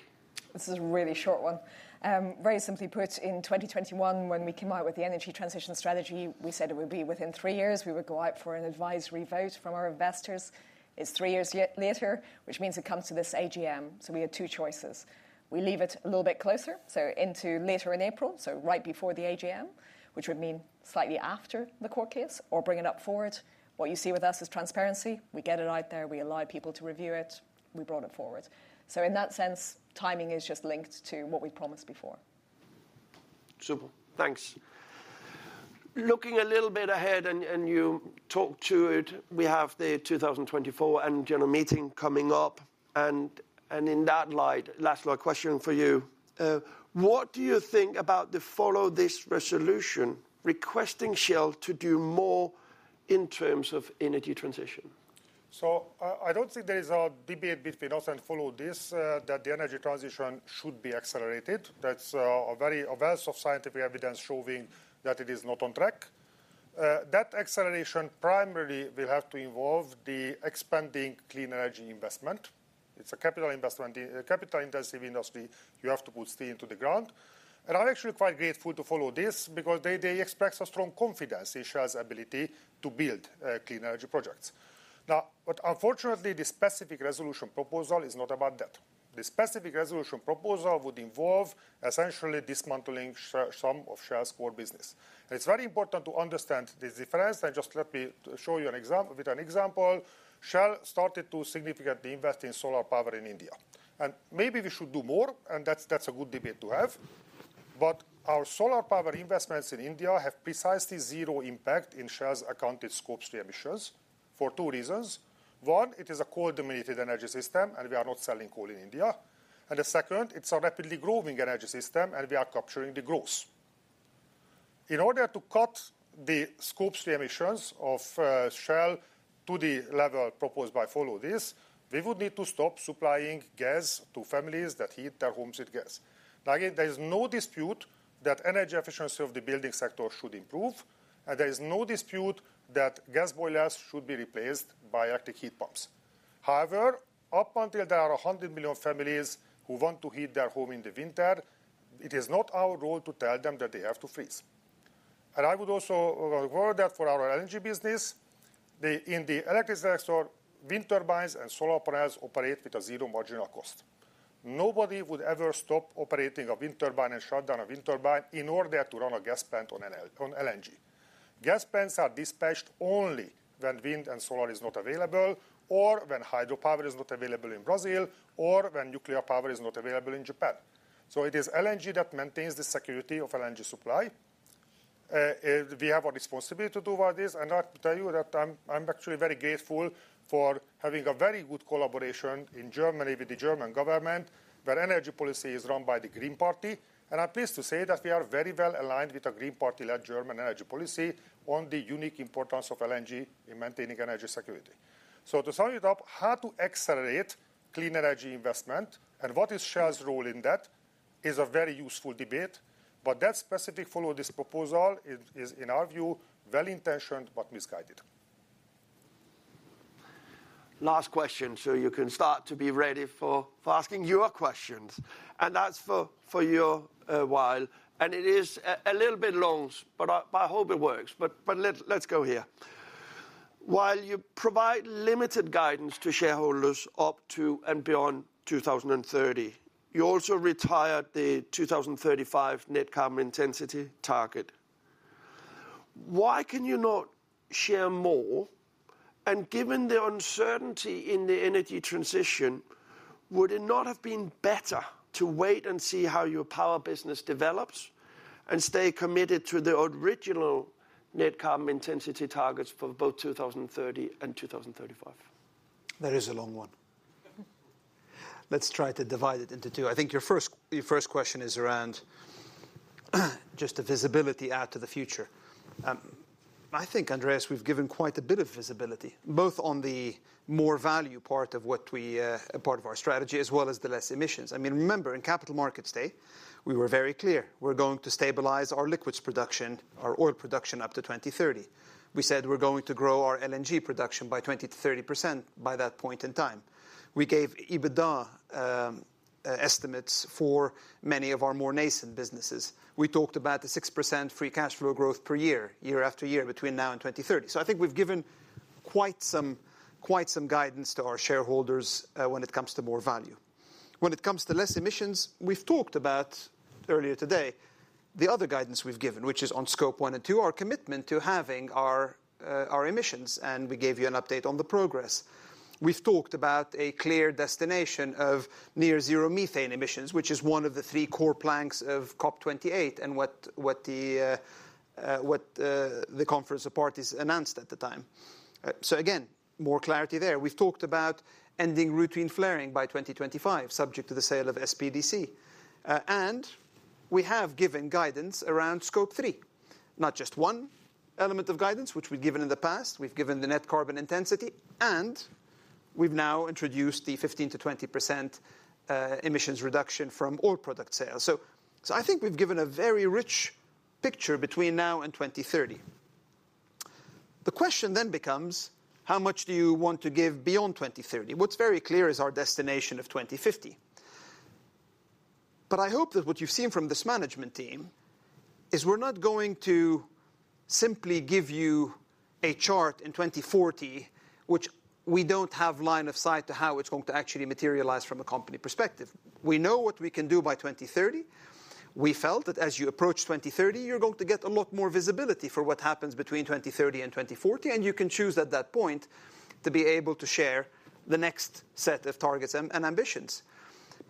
Speaker 3: This is a really short one. Very simply put, in 2021, when we came out with the energy transition strategy, we said it would be within three years. We would go out for an advisory vote from our investors. It's three years later, which means it comes to this AGM. So we had two choices. We leave it a little bit closer, so into later in April, so right before the AGM, which would mean slightly after the court case, or bring it up forward. What you see with us is transparency. We get it out there. We allow people to review it. We brought it forward. So in that sense, timing is just linked to what we promised before.
Speaker 1: Super. Thanks. Looking a little bit ahead and you talk to it, we have the 2024 annual meeting coming up. And in that light, László, a question for you. What do you think about the Follow This resolution requesting Shell to do more in terms of energy transition?
Speaker 4: So I don't think there is a debate between us and Follow This that the energy transition should be accelerated. That's a wealth of scientific evidence showing that it is not on track. That acceleration primarily will have to involve the expanding clean energy investment. It's a capital-intensive industry. You have to put steel into the ground. And I'm actually quite grateful to Follow This because they express a strong confidence in Shell's ability to build clean energy projects. Now, but unfortunately, the specific resolution proposal is not about that. The specific resolution proposal would involve essentially dismantling some of Shell's core business. And it's very important to understand this difference. And just let me show you with an example. Shell started to significantly invest in solar power in India. Maybe we should do more, and that's a good debate to have. But our solar power investments in India have precisely zero impact in Shell's accounted Scope 3 emissions for two reasons. One, it is a coal-dominated energy system, and we are not selling coal in India. The second, it's a rapidly growing energy system, and we are capturing the growth. In order to cut the Scope 3 emissions of Shell to the level proposed by Follow This, we would need to stop supplying gas to families that heat their homes with gas. Now, again, there is no dispute that energy efficiency of the building sector should improve. There is no dispute that gas boilers should be replaced by air source heat pumps. However, up until there are 100 million families who want to heat their home in the winter, it is not our role to tell them that they have to freeze. And I would also record that for our LNG business. In the electric sector, wind turbines and solar panels operate with a zero marginal cost. Nobody would ever stop operating a wind turbine and shut down a wind turbine in order to run a gas plant on LNG. Gas plants are dispatched only when wind and solar is not available, or when hydropower is not available in Brazil, or when nuclear power is not available in Japan. So it is LNG that maintains the security of LNG supply. We have a responsibility to do about this. I have to tell you that I'm actually very grateful for having a very good collaboration in Germany with the German government, where energy policy is run by the Green Party. I'm pleased to say that we are very well aligned with the Green Party-led German energy policy on the unique importance of LNG in maintaining energy security. To sum it up, how to accelerate clean energy investment and what is Shell's role in that is a very useful debate. But that specific Follow This proposal is, in our view, well-intentioned but misguided.
Speaker 1: Last question so you can start to be ready for asking your questions. And that's for you, Wael. And it is a little bit long, but I hope it works. But let's go here. While you provide limited guidance to shareholders up to and beyond 2030, you also retired the 2035 net carbon intensity target. Why can you not share more? And given the uncertainty in the energy transition, would it not have been better to wait and see how your power business develops and stay committed to the original net carbon intensity targets for both 2030 and 2035?
Speaker 2: That is a long one. Let's try to divide it into two. I think your first question is around just the visibility out to the future. I think, Andreas, we've given quite a bit of visibility, both on the more value part of what we part of our strategy, as well as the less emissions. I mean, remember, in Capital Markets Day, we were very clear. We're going to stabilize our liquids production, our oil production, up to 2030. We said we're going to grow our LNG production by 20%-30% by that point in time. We gave EBITDA estimates for many of our more nascent businesses. We talked about the 6% free cash flow growth per year, year after year, between now and 2030. So I think we've given quite some guidance to our shareholders when it comes to more value. When it comes to less emissions, we've talked about earlier today the other guidance we've given, which is on Scope 1 and 2, our commitment to having our emissions. And we gave you an update on the progress. We've talked about a clear destination of near-zero methane emissions, which is one of the three core planks of COP28 and what the conference of parties announced at the time. So again, more clarity there. We've talked about ending routine flaring by 2025, subject to the sale of SPDC. We have given guidance around Scope 3, not just one element of guidance, which we've given in the past. We've given the net carbon intensity. We've now introduced the 15%-20% emissions reduction from oil product sales. So I think we've given a very rich picture between now and 2030. The question then becomes, how much do you want to give beyond 2030? What's very clear is our destination of 2050. But I hope that what you've seen from this management team is we're not going to simply give you a chart in 2040, which we don't have line of sight to how it's going to actually materialize from a company perspective. We know what we can do by 2030. We felt that as you approach 2030, you're going to get a lot more visibility for what happens between 2030 and 2040. And you can choose at that point to be able to share the next set of targets and ambitions.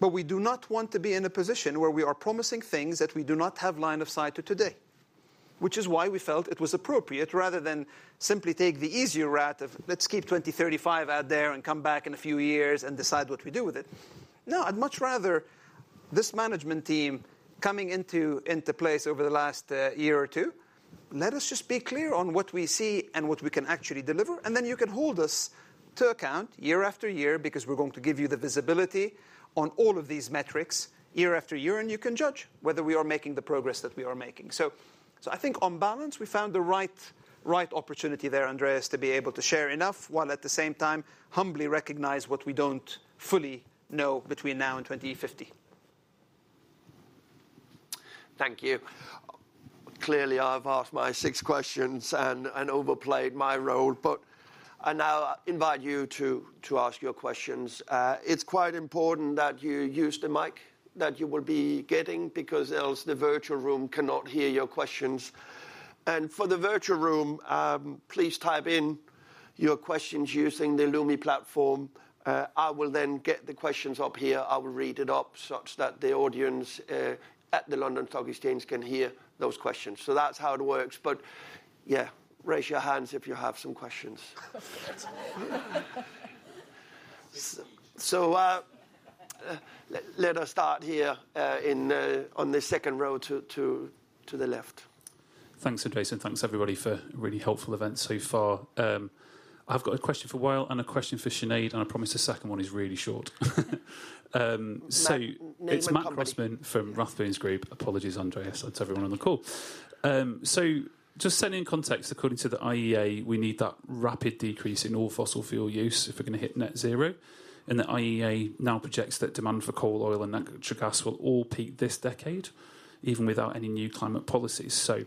Speaker 2: But we do not want to be in a position where we are promising things that we do not have line of sight to today, which is why we felt it was appropriate, rather than simply take the easier route of, let's keep 2035 out there and come back in a few years and decide what we do with it. No, I'd much rather this management team coming into place over the last year or two, let us just be clear on what we see and what we can actually deliver. And then you can hold us to account year after year because we're going to give you the visibility on all of these metrics year after year. And you can judge whether we are making the progress that we are making. So I think on balance, we found the right opportunity there, Andreas, to be able to share enough while at the same time humbly recognize what we don't fully know between now and 2050.
Speaker 1: Thank you. Clearly, I've asked my six questions and overplayed my role. But I now invite you to ask your questions. It's quite important that you use the mic that you will be getting because else the virtual room cannot hear your questions. And for the virtual room, please type in your questions using the Lumi platform. I will then get the questions up here. I will read it up such that the audience at the London Stock Exchange can hear those questions. So that's how it works. But yeah, raise your hands if you have some questions. So let us start here on the second row to the left.
Speaker 5: Thanks, Andreas, and thanks, everybody, for really helpful events so far. I've got a question for Wael and a question for Sinead. And I promise the second one is really short. So it's Matt Crossman from Rathbones Group. Apologies, Andreas, to everyone on the call. So just setting in context, according to the IEA, we need that rapid decrease in all fossil fuel use if we're going to hit net zero. And the IEA now projects that demand for coal, oil, and natural gas will all peak this decade, even without any new climate policies. So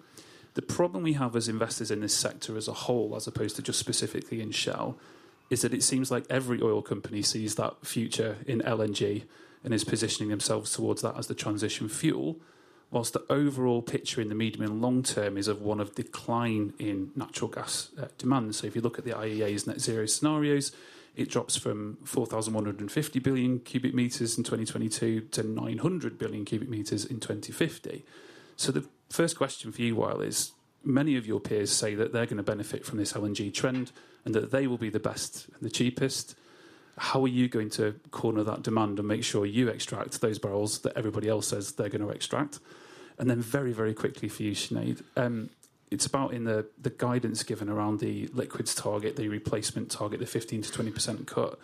Speaker 5: the problem we have as investors in this sector as a whole, as opposed to just specifically in Shell, is that it seems like every oil company sees that future in LNG and is positioning themselves towards that as the transition fuel, while the overall picture in the medium and long term is of one of decline in natural gas demand. So if you look at the IEA's net zero scenarios, it drops from 4,150 billion cubic meters in 2022 to 900 billion cubic meters in 2050. So the first question for you, Wael, is many of your peers say that they're going to benefit from this LNG trend and that they will be the best and the cheapest. How are you going to corner that demand and make sure you extract those barrels that everybody else says they're going to extract? And then very, very quickly for you, Sinead, it's about in the guidance given around the liquids target, the replacement target, the 15%-20% cut.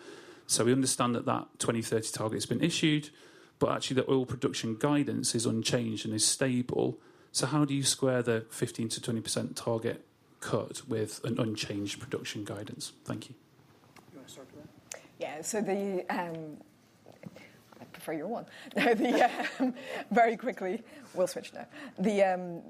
Speaker 5: So we understand that that 2030 target has been issued, but actually the oil production guidance is unchanged and is stable. So how do you square the 15%-20% target cut with an unchanged production guidance? Thank you.
Speaker 1: You want to start with that?
Speaker 3: Yeah. So I prefer your one. Very quickly, we'll switch now.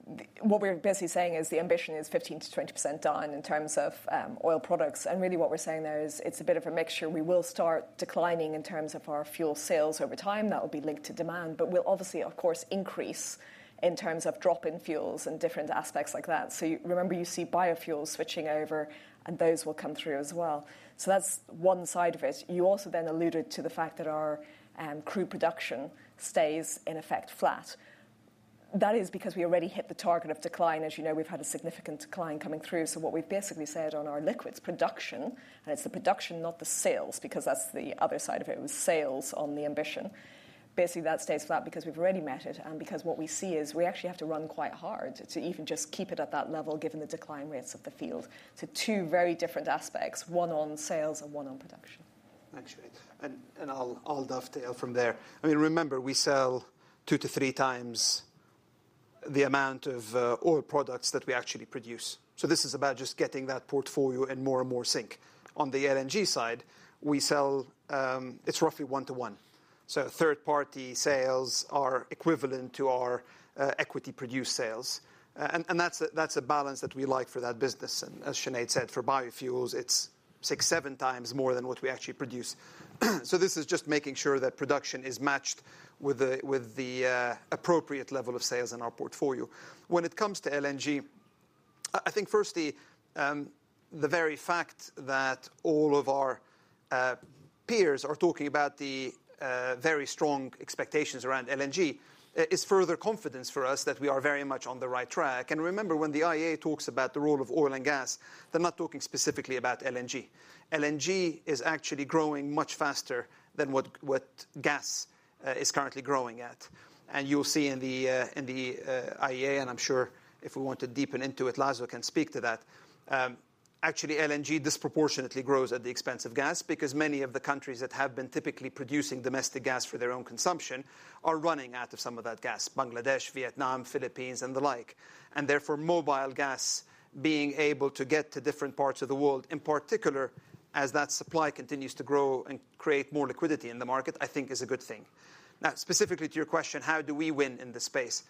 Speaker 3: What we're basically saying is the ambition is 15%-20% done in terms of oil products. And really, what we're saying there is it's a bit of a mixture. We will start declining in terms of our fuel sales over time. That will be linked to demand. But we'll obviously, of course, increase in terms of drop in fuels and different aspects like that. So remember, you see biofuels switching over, and those will come through as well. So that's one side of it. You also then alluded to the fact that our crude production stays, in effect, flat. That is because we already hit the target of decline. As you know, we've had a significant decline coming through. So what we've basically said on our liquids production, and it's the production, not the sales, because that's the other side of it was sales on the ambition, basically, that stays flat because we've already met it. And because what we see is we actually have to run quite hard to even just keep it at that level, given the decline rates of the field, to two very different aspects, one on sales and one on production.
Speaker 5: Thanks, Sinead. And I'll dovetail from there. I mean, remember, we sell 2-3 times the amount of oil products that we actually produce. So this is about just getting that portfolio in more and more sync. On the LNG side, it's roughly 1 to 1. So third-party sales are equivalent to our equity-produced sales. And that's a balance that we like for that business. And as Sinead said, for biofuels, it's 6-7 times more than what we actually produce. So this is just making sure that production is matched with the appropriate level of sales in our portfolio. When it comes to LNG, I think, firstly, the very fact that all of our peers are talking about the very strong expectations around LNG is further confidence for us that we are very much on the right track. And remember, when the IEA talks about the role of oil and gas, they're not talking specifically about LNG. LNG is actually growing much faster than what gas is currently growing at. And you'll see in the IEA, and I'm sure if we want to deepen into it, Laszlo can speak to that, actually, LNG disproportionately grows at the expense of gas because many of the countries that have been typically producing domestic gas for their own consumption are running out of some of that gas: Bangladesh, Vietnam, Philippines, and the like. And therefore, mobile gas being able to get to different parts of the world, in particular, as that supply continues to grow and create more liquidity in the market, I think, is a good thing. Now, specifically to your question, how do we win in this space?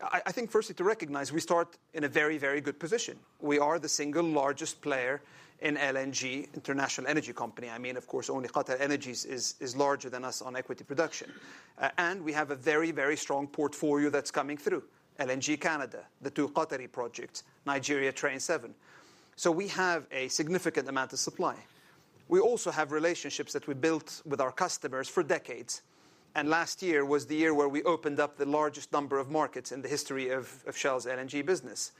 Speaker 4: I think, firstly, to recognize we start in a very, very good position. We are the single largest player in LNG, international energy company. I mean, of course, only QatarEnergy is larger than us on equity production. And we have a very, very strong portfolio that's coming through: LNG Canada, the two Qatari projects, Nigeria Train 7. So we have a significant amount of supply. We also have relationships that we built with our customers for decades. And last year was the year where we opened up the largest number of markets in the history of Shell's LNG business.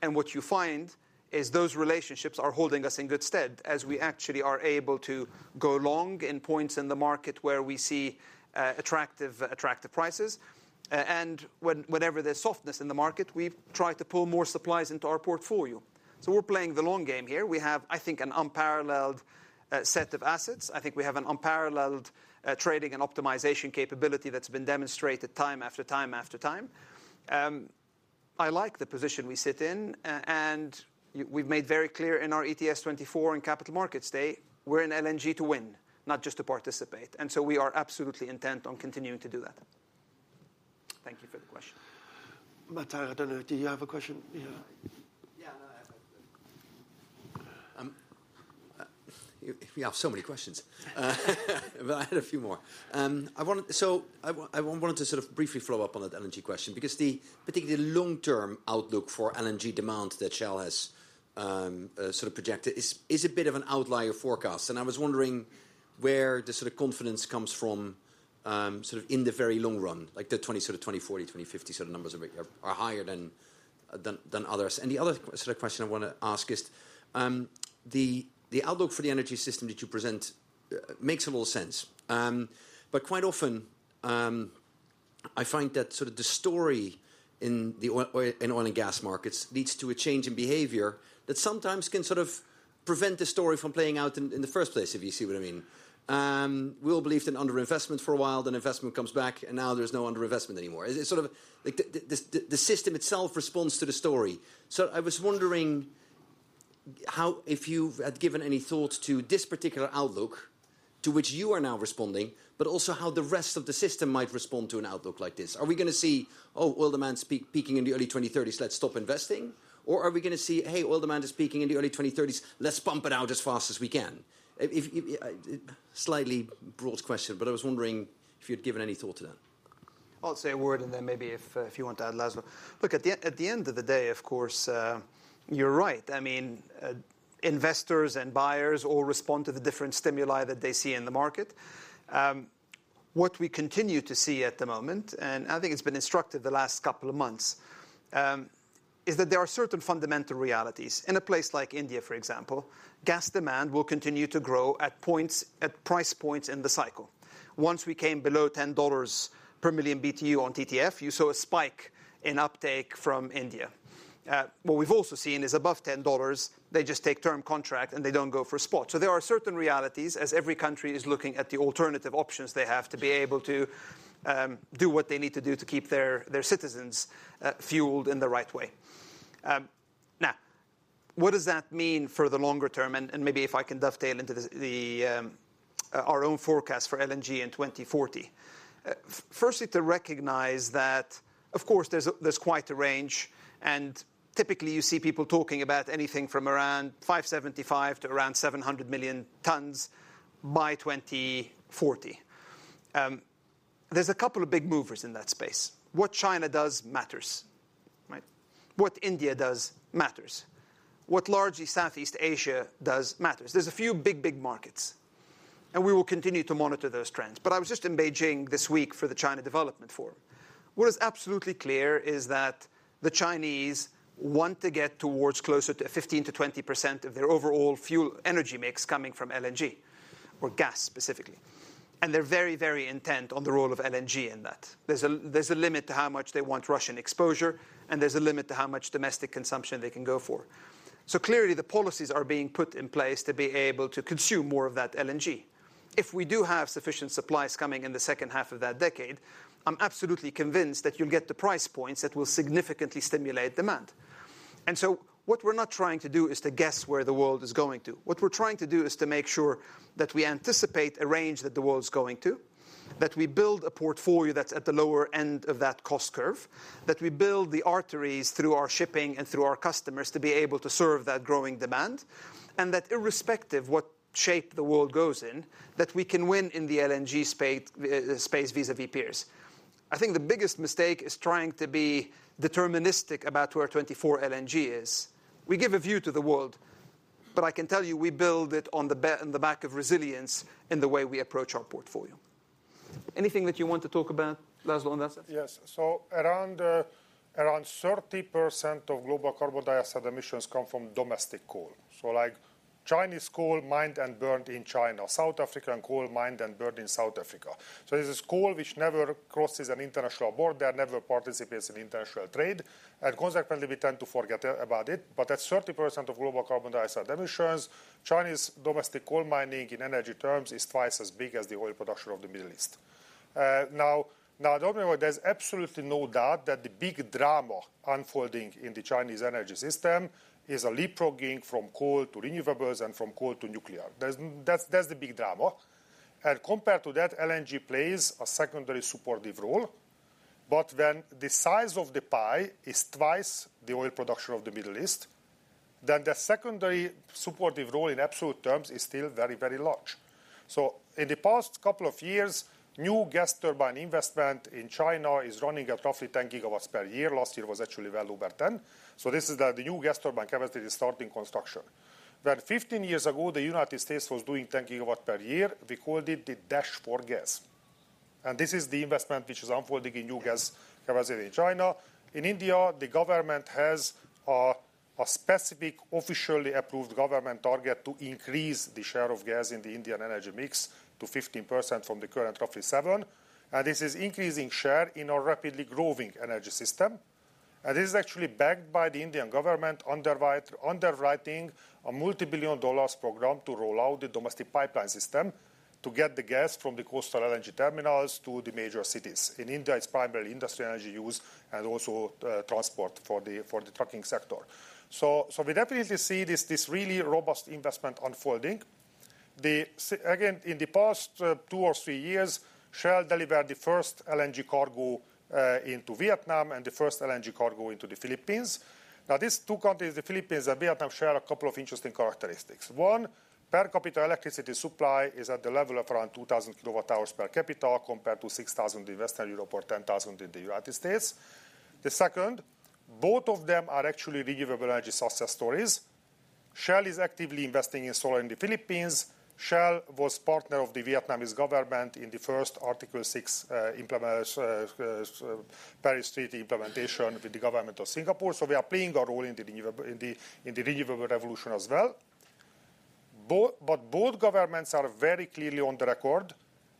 Speaker 4: And what you find is those relationships are holding us in good stead as we actually are able to go long in points in the market where we see attractive prices. And whenever there's softness in the market, we try to pull more supplies into our portfolio. So we're playing the long game here. We have, I think, an unparalleled set of assets. I think we have an unparalleled trading and optimization capability that's been demonstrated time after time after time. I like the position we sit in. And we've made very clear in our ETS24 and Capital Markets Day, we're in LNG to win, not just to participate. And so we are absolutely intent on continuing to do that.
Speaker 1: Thank you for the question. Martijn, I don't know. Did you have a question?
Speaker 5: Yeah. Yeah. No. If we have so many questions. But I had a few more. So I wanted to sort of briefly follow up on that LNG question because particularly the long-term outlook for LNG demand that Shell has sort of projected is a bit of an outlier forecast. And I was wondering where the sort of confidence comes from, sort of in the very long run, like the sort of 2040, 2050 sort of numbers are higher than others. And the other sort of question I want to ask is the outlook for the energy system that you present makes a lot of sense. But quite often, I find that sort of the story in oil and gas markets leads to a change in behavior that sometimes can sort of prevent the story from playing out in the first place, if you see what I mean. We all believed in underinvestment for a while. Then investment comes back. And now there's no underinvestment anymore. It's sort of like the system itself responds to the story. I was wondering if you had given any thought to this particular outlook to which you are now responding, but also how the rest of the system might respond to an outlook like this. Are we going to see, oh, oil demand peaking in the early 2030s, let's stop investing? Or are we going to see, hey, oil demand is peaking in the early 2030s, let's pump it out as fast as we can? Slightly broad question. I was wondering if you had given any thought to that.
Speaker 2: I'll say a word. Then maybe if you want to add, Laszlo. Look, at the end of the day, of course, you're right. I mean, investors and buyers all respond to the different stimuli that they see in the market. What we continue to see at the moment, and I think it's been instructive the last couple of months, is that there are certain fundamental realities. In a place like India, for example, gas demand will continue to grow at price points in the cycle. Once we came below $10 per million BTU on TTF, you saw a spike in uptake from India. What we've also seen is above $10, they just take term contract, and they don't go for spot. So there are certain realities, as every country is looking at the alternative options they have to be able to do what they need to do to keep their citizens fueled in the right way. Now, what does that mean for the longer term? And maybe if I can dovetail into our own forecast for LNG in 2040, firstly, to recognize that, of course, there's quite a range. Typically, you see people talking about anything from around 575-700 million tons by 2040. There's a couple of big movers in that space. What China does matters, right? What India does matters. What largely Southeast Asia does matters. There's a few big, big markets. And we will continue to monitor those trends. But I was just in Beijing this week for the China Development Forum. What is absolutely clear is that the Chinese want to get towards closer to 15%-20% of their overall fuel energy mix coming from LNG or gas, specifically. And they're very, very intent on the role of LNG in that. There's a limit to how much they want Russian exposure. And there's a limit to how much domestic consumption they can go for. So clearly, the policies are being put in place to be able to consume more of that LNG. If we do have sufficient supplies coming in the second half of that decade, I'm absolutely convinced that you'll get the price points that will significantly stimulate demand. And so what we're not trying to do is to guess where the world is going to. What we're trying to do is to make sure that we anticipate a range that the world's going to, that we build a portfolio that's at the lower end of that cost curve, that we build the arteries through our shipping and through our customers to be able to serve that growing demand, and that irrespective of what shape the world goes in, that we can win in the LNG space vis-à-vis peers. I think the biggest mistake is trying to be deterministic about where 2024 LNG is. We give a view to the world. But I can tell you, we build it on the back of resilience in the way we approach our portfolio. Anything that you want to talk about, Laszlo, on that?
Speaker 4: Yes. So around 30% of global carbon dioxide emissions come from domestic coal. So like Chinese coal mined and burned in China, South African coal mined and burned in South Africa. So this is coal which never crosses an international border. Never participates in international trade. And consequently, we tend to forget about it. But at 30% of global carbon dioxide emissions, Chinese domestic coal mining in energy terms is twice as big as the oil production of the Middle East. Now, there's absolutely no doubt that the big drama unfolding in the Chinese energy system is a leapfrogging from coal to renewables and from coal to nuclear. That's the big drama. And compared to that, LNG plays a secondary supportive role. But when the size of the pie is twice the oil production of the Middle East, then the secondary supportive role in absolute terms is still very, very large. So in the past couple of years, new gas turbine investment in China is running at roughly 10 gigawatts per year. Last year was actually well over 10. So this is that the new gas turbine capacity is starting construction. When 15 years ago, the United States was doing 10 gigawatts per year, we called it the Dash for Gas. And this is the investment which is unfolding in new gas capacity in China. In India, the government has a specific officially approved government target to increase the share of gas in the Indian energy mix to 15% from the current roughly 7%. And this is increasing share in our rapidly growing energy system. And this is actually backed by the Indian government underwriting a multibillion-dollar program to roll out the domestic pipeline system to get the gas from the coastal LNG terminals to the major cities. In India, it's primarily industry energy use and also transport for the trucking sector. So we definitely see this really robust investment unfolding. Again, in the past two or three years, Shell delivered the first LNG cargo into Vietnam and the first LNG cargo into the Philippines. Now, these two countries, the Philippines and Vietnam, share a couple of interesting characteristics. One, per capita electricity supply is at the level of around 2,000 kilowatt-hours per capita compared to 6,000 in Western Europe or 10,000 in the United States. The second, both of them are actually renewable energy success stories. Shell is actively investing in solar in the Philippines. Shell was partner of the Vietnamese government in the first Article 6 Paris Treaty implementation with the government of Singapore. So we are playing a role in the renewable revolution as well. But both governments are very clearly on the record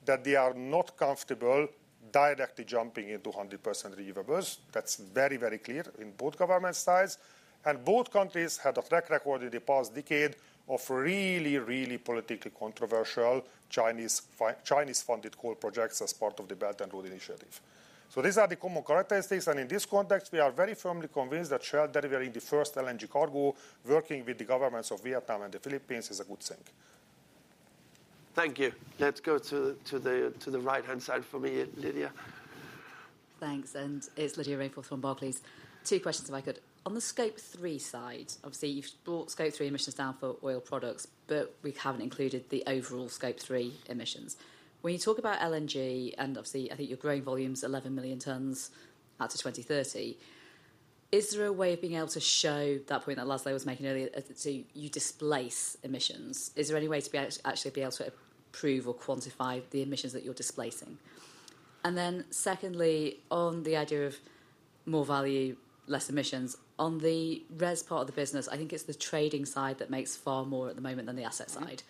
Speaker 4: that they are not comfortable directly jumping into 100% renewables. That's very, very clear in both government sides. And both countries had a track record in the past decade of really, really politically controversial Chinese-funded coal projects as part of the Belt and Road Initiative. So these are the common characteristics. In this context, we are very firmly convinced that Shell delivering the first LNG cargo working with the governments of Vietnam and the Philippines is a good thing.
Speaker 1: Thank you. Let's go to the right-hand side for me, Lydia.
Speaker 6: Thanks. And it's Lydia Rainforth from Barclays. Two questions, if I could. On the Scope 3 side, obviously, you've brought Scope 3 emissions down for oil products. But we haven't included the overall Scope 3 emissions. When you talk about LNG, and obviously, I think you're growing volumes, 11 million tons out to 2030, is there a way of being able to show that point that Laszlo was making earlier to displace emissions? Is there any way to actually be able to prove or quantify the emissions that you're displacing? And then secondly, on the idea of more value, less emissions, on the refining part of the business, I think it's the trading side that makes far more at the moment than the asset side.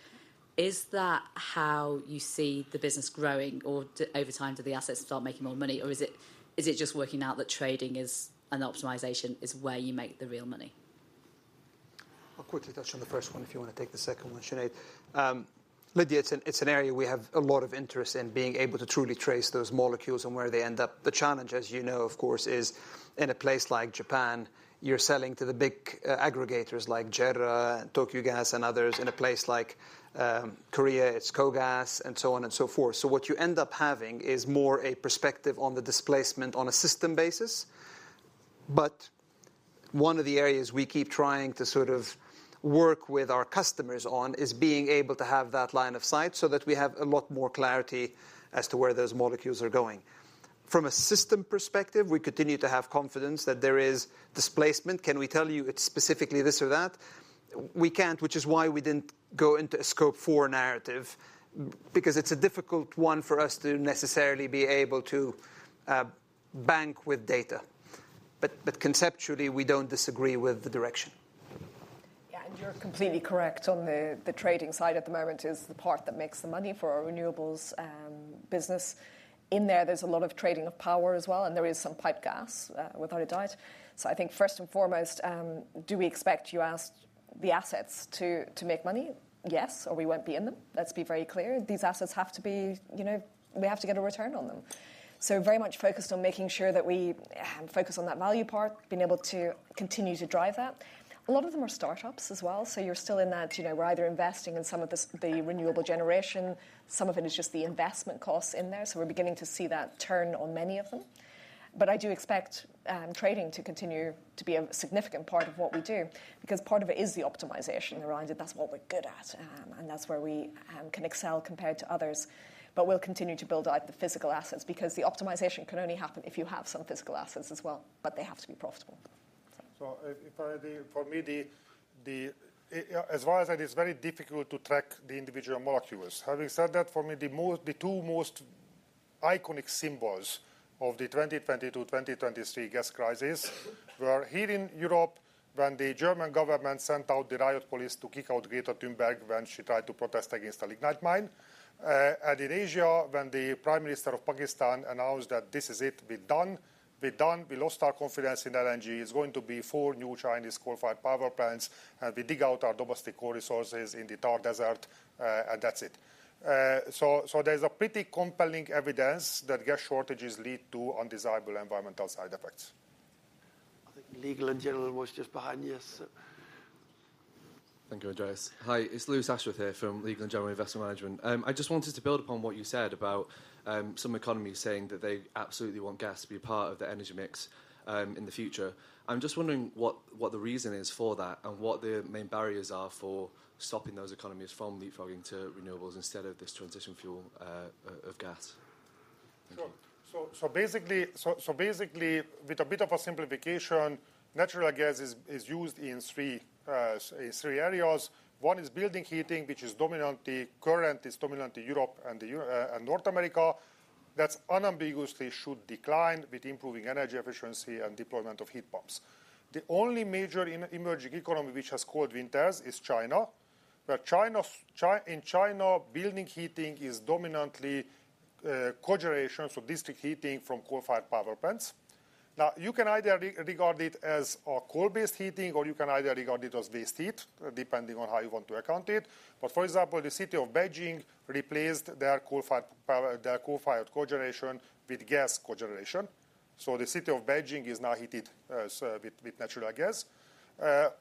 Speaker 6: Is that how you see the business growing? Or over time, do the assets start making more money? Or is it just working out that trading and optimization is where you make the real money?
Speaker 2: I'll quickly touch on the first one if you want to take the second one, Sinead. Lydia, it's an area we have a lot of interest in, being able to truly trace those molecules and where they end up. The challenge, as you know, of course, is in a place like Japan, you're selling to the big aggregators like JERA, Tokyo Gas, and others. In a place like Korea, it's KOGAS, and so on and so forth. So what you end up having is more a perspective on the displacement on a system basis. But one of the areas we keep trying to sort of work with our customers on is being able to have that line of sight so that we have a lot more clarity as to where those molecules are going. From a system perspective, we continue to have confidence that there is displacement. Can we tell you it's specifically this or that? We can't, which is why we didn't go into a Scope 4 narrative because it's a difficult one for us to necessarily be able to bank with data. But conceptually, we don't disagree with the direction.
Speaker 3: Yeah. You're completely correct. On the trading side at the moment is the part that makes the money for our renewables business. In there, there's a lot of trading of power as well. There is some pipe gas, without a doubt. So I think first and foremost, do we expect U.S. assets to make money? Yes. Or we won't be in them. Let's be very clear. These assets have to be we have to get a return on them. So very much focused on making sure that we focus on that value part, being able to continue to drive that. A lot of them are startups as well. So you're still in that we're either investing in some of the renewable generation. Some of it is just the investment costs in there. So we're beginning to see that turn on many of them. But I do expect trading to continue to be a significant part of what we do because part of it is the optimization around it. That's what we're good at. And that's where we can excel compared to others. But we'll continue to build out the physical assets because the optimization can only happen if you have some physical assets as well.
Speaker 2: But they have to be profitable. So for me, as far as I know, it's very difficult to track the individual molecules. Having said that, for me, the two most iconic symbols of the 2020 to 2023 gas crisis were here in Europe when the German government sent out the riot police to kick out Greta Thunberg when she tried to protest against a lignite mine. And in Asia, when the Prime Minister of Pakistan announced that this is it, we're done. We're done. We lost our confidence in LNG. It's going to be four new Chinese coal-fired power plants. And we dig out our domestic coal resources in the Thar Desert. And that's it. So there's pretty compelling evidence that gas shortages lead to undesirable environmental side effects.
Speaker 1: I think Legal & General was just behind. Yes.
Speaker 7: Thank you, Andreas. Hi. It's Lewis Ashworth here from Legal & General Investment Management. I just wanted to build upon what you said about some economies saying that they absolutely want gas to be a part of the energy mix in the future. I'm just wondering what the reason is for that and what the main barriers are for stopping those economies from leapfrogging to renewables instead of this transition fuel of gas.
Speaker 2: Sure. So basically, with a bit of a simplification, natural gas is used in three areas. One is building heating, which is dominantly current. It's dominantly Europe and North America. That's unambiguously should decline with improving energy efficiency and deployment of heat pumps. The only major emerging economy which has cold winters is China. In China, building heating is dominantly cogeneration, so district heating from coal-fired power plants. Now, you can either regard it as coal-based heating, or you can either regard it as waste heat, depending on how you want to account it. But for example, the city of Beijing replaced their coal-fired cogeneration with gas cogeneration. So the city of Beijing is now heated with natural gas.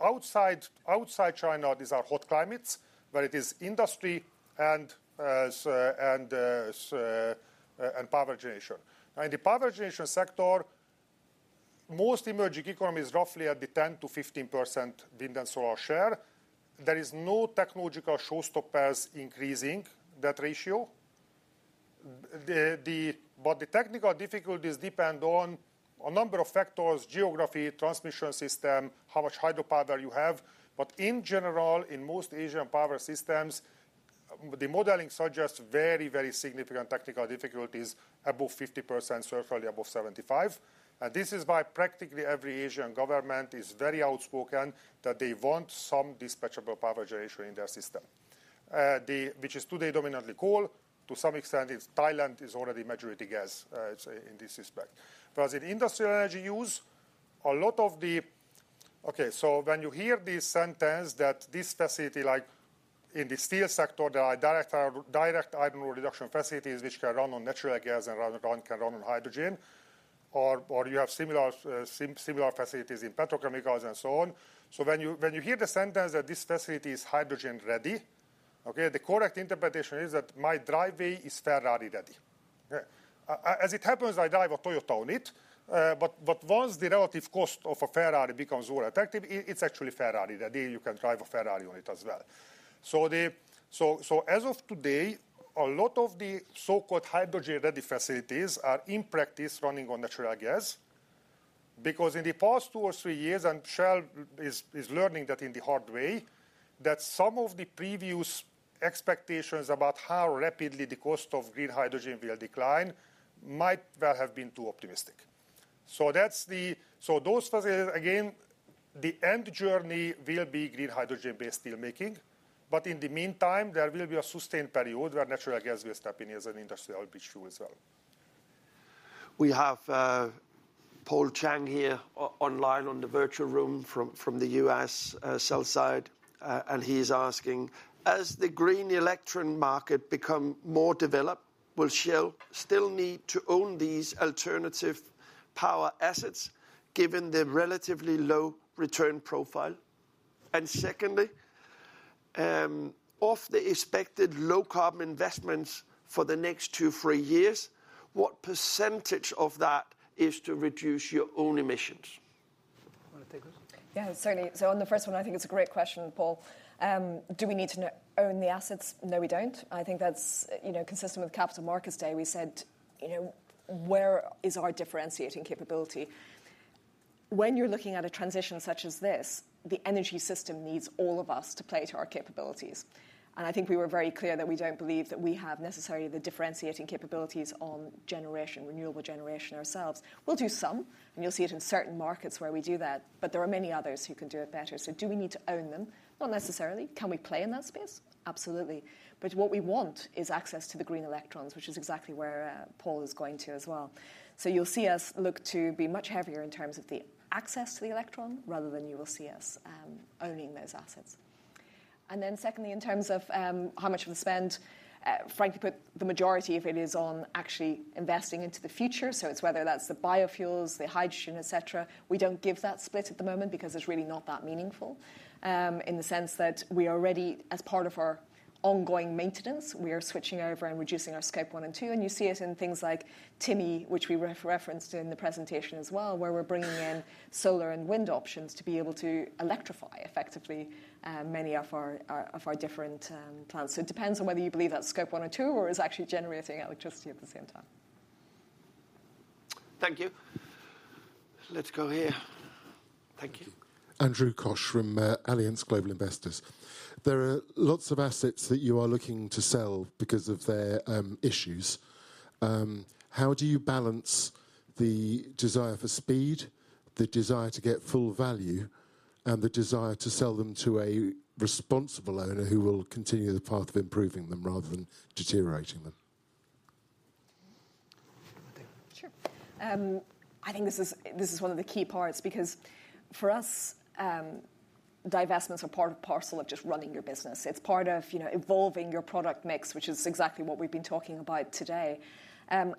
Speaker 2: Outside China, these are hot climates where it is industry and power generation. Now, in the power generation sector, most emerging economies roughly at the 10%-15% wind and solar share. There is no technological showstoppers increasing that ratio. But the technical difficulties depend on a number of factors: geography, transmission system, how much hydropower you have. But in general, in most Asian power systems, the modeling suggests very, very significant technical difficulties above 50%, certainly above 75%. This is why practically every Asian government is very outspoken that they want some dispatchable power generation in their system, which is today dominantly coal. To some extent, Thailand is already majority gas in this respect. Whereas in industrial energy use, OK. So when you hear this sentence that this facility, like in the steel sector, there are direct iron reduction facilities which can run on natural gas and can run on hydrogen. Or you have similar facilities in petrochemicals and so on. So when you hear the sentence that this facility is hydrogen ready, the correct interpretation is that my driveway is Ferrari ready. As it happens, I drive a Toyota on it. But once the relative cost of a Ferrari becomes all attractive, it's actually Ferrari ready. You can drive a Ferrari on it as well. So as of today, a lot of the so-called hydrogen ready facilities are in practice running on natural gas because in the past two or three years, and Shell is learning that in the hard way, that some of the previous expectations about how rapidly the cost of green hydrogen will decline might well have been too optimistic. So again, the end journey will be green hydrogen-based steelmaking. But in the meantime, there will be a sustained period where natural gas will step in as an industrial bridge fuel as well.
Speaker 1: We have Paul Cheng here online on the virtual room from the US sell side. And he is asking, as the green electron market becomes more developed, will Shell still need to own these alternative power assets given the relatively low return profile? Secondly, of the expected low-carbon investments for the next two, three years, what percentage of that is to reduce your own emissions? You want to take this?
Speaker 3: Yeah. Certainly. On the first one, I think it's a great question, Paul. Do we need to own the assets? No, we don't. I think that's consistent with Capital Markets Day. We said, where is our differentiating capability? When you're looking at a transition such as this, the energy system needs all of us to play to our capabilities. And I think we were very clear that we don't believe that we have necessarily the differentiating capabilities on renewable generation ourselves. We'll do some. And you'll see it in certain markets where we do that. But there are many others who can do it better. So do we need to own them? Not necessarily. Can we play in that space? Absolutely. But what we want is access to the green electrons, which is exactly where Paul is going to as well. So you'll see us look to be much heavier in terms of the access to the electron rather than you will see us owning those assets. And then secondly, in terms of how much of the spend, frankly, the majority of it is on actually investing into the future. So it's whether that's the biofuels, the hydrogen, et cetera. We don't give that split at the moment because it's really not that meaningful in the sense that we already, as part of our ongoing maintenance, we are switching over and reducing our Scope 1 and 2. And you see it in things like Timi, which we referenced in the presentation as well, where we're bringing in solar and wind options to be able to electrify effectively many of our different plants. So it depends on whether you believe that's Scope 1 or 2 or is actually generating electricity at the same time.
Speaker 1: Thank you. Let's go here. Thank you.
Speaker 8: Andrew Cosgrove from Allianz Global Investors. There are lots of assets that you are looking to sell because of their issues. How do you balance the desire for speed, the desire to get full value, and the desire to sell them to a responsible owner who will continue the path of improving them rather than deteriorating them?
Speaker 3: Sure. I think this is one of the key parts because for us, divestments are part and parcel of just running your business. It's part of evolving your product mix, which is exactly what we've been talking about today.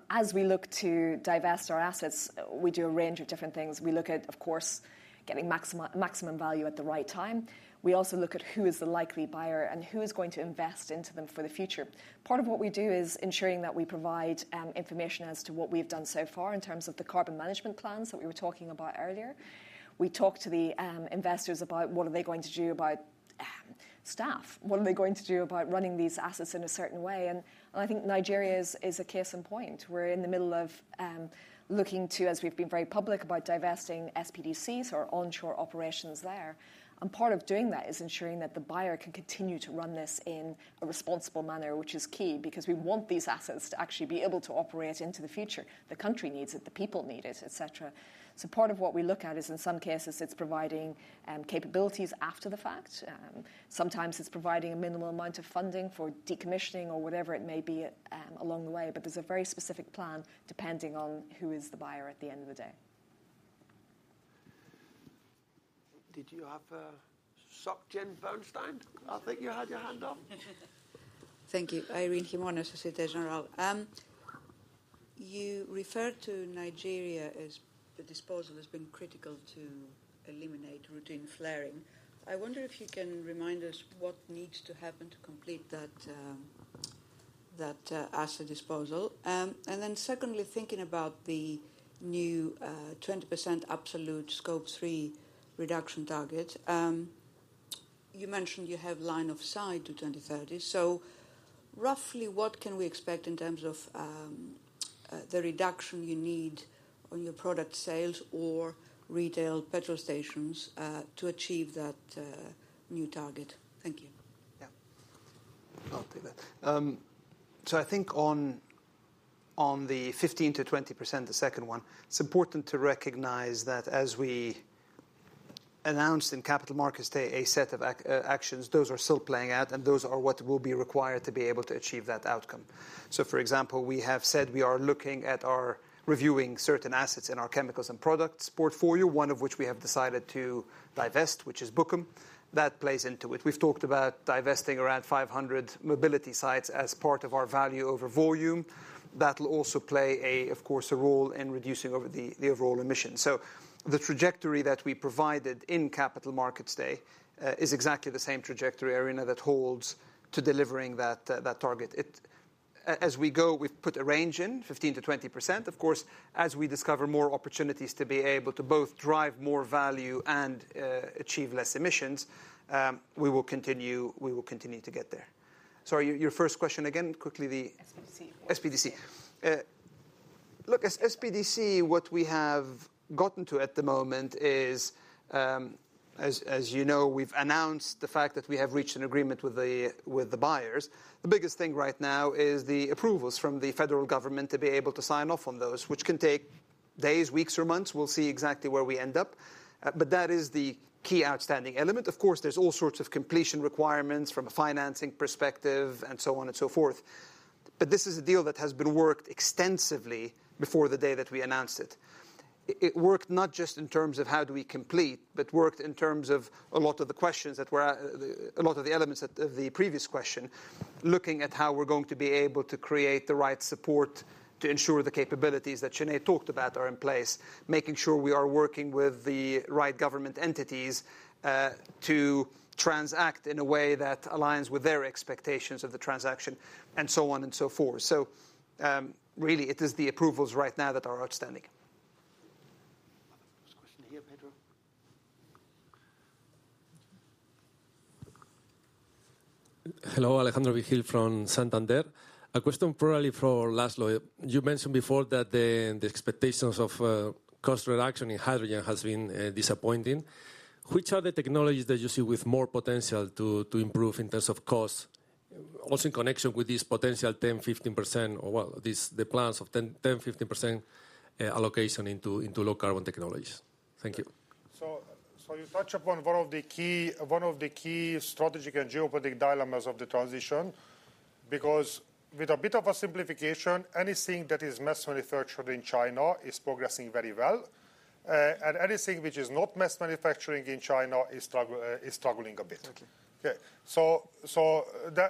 Speaker 3: As we look to divest our assets, we do a range of different things. We look at, of course, getting maximum value at the right time. We also look at who is the likely buyer and who is going to invest into them for the future. Part of what we do is ensuring that we provide information as to what we've done so far in terms of the carbon management plans that we were talking about earlier. We talk to the investors about what are they going to do about staff? What are they going to do about running these assets in a certain way? And I think Nigeria is a case in point. We're in the middle of looking to, as we've been very public about divesting SPDC, so our onshore operations there. And part of doing that is ensuring that the buyer can continue to run this in a responsible manner, which is key because we want these assets to actually be able to operate into the future. The country needs it. The people need it, et cetera. So part of what we look at is, in some cases, it's providing capabilities after the fact. Sometimes it's providing a minimal amount of funding for decommissioning or whatever it may be along the way. But there's a very specific plan depending on who is the buyer at the end of the day.
Speaker 1: Did you have Josh Stein? I think you had your hand up.
Speaker 9: Thank you. Irene Himona, Société Générale. You referred to Nigeria as the disposal has been critical to eliminate routine flaring. I wonder if you can remind us what needs to happen to complete that asset disposal. And then secondly, thinking about the new 20% absolute Scope 3 reduction target, you mentioned you have line of sight to 2030. So roughly, what can we expect in terms of the reduction you need on your product sales or retail petrol stations to achieve that new target? Thank you.
Speaker 2: Yeah. I'll take that. So I think on the 15%-20%, the second one, it's important to recognize that as we announced in Capital Markets Day a set of actions, those are still playing out. And those are what will be required to be able to achieve that outcome. So for example, we have said we are looking at our reviewing certain assets in our chemicals and products portfolio, one of which we have decided to divest, which is Bukom. That plays into it. We've talked about divesting around 500 mobility sites as part of our value over volume. That will also play, of course, a role in reducing the overall emissions. So the trajectory that we provided in Capital Markets Day is exactly the same trajectory, Irene, that holds to delivering that target. As we go, we've put a range in, 15%-20%. Of course, as we discover more opportunities to be able to both drive more value and achieve less emissions, we will continue to get there. Sorry. Your first question again, quickly.
Speaker 9: SPDC.
Speaker 2: SPDC. Look, SPDC, what we have gotten to at the moment is, as you know, we've announced the fact that we have reached an agreement with the buyers. The biggest thing right now is the approvals from the federal government to be able to sign off on those, which can take days, weeks, or months. We'll see exactly where we end up. But that is the key outstanding element. Of course, there's all sorts of completion requirements from a financing perspective and so on and so forth. But this is a deal that has been worked extensively before the day that we announced it. It worked not just in terms of how do we complete, but worked in terms of a lot of the questions that were a lot of the elements of the previous question, looking at how we're going to be able to create the right support to ensure the capabilities that Sinead talked about are in place, making sure we are working with the right government entities to transact in a way that aligns with their expectations of the transaction, and so on and so forth. So really, it is the approvals right now that are outstanding.
Speaker 1: Another first question here, Pedro.
Speaker 10: Hello. Alejandro Vigil from Santander. A question probably for Laszlo. You mentioned before that the expectations of cost reduction in hydrogen have been disappointing. Which are the technologies that you see with more potential to improve in terms of cost, also in connection with this potential 10%-15%, or well, the plans of 10%-15% allocation into low-carbon technologies? Thank you.
Speaker 4: So you touched upon one of the key strategic and geopolitical dilemmas of the transition because, with a bit of a simplification, anything that is mass manufactured in China is progressing very well. And anything which is not mass manufacturing in China is struggling a bit. OK. So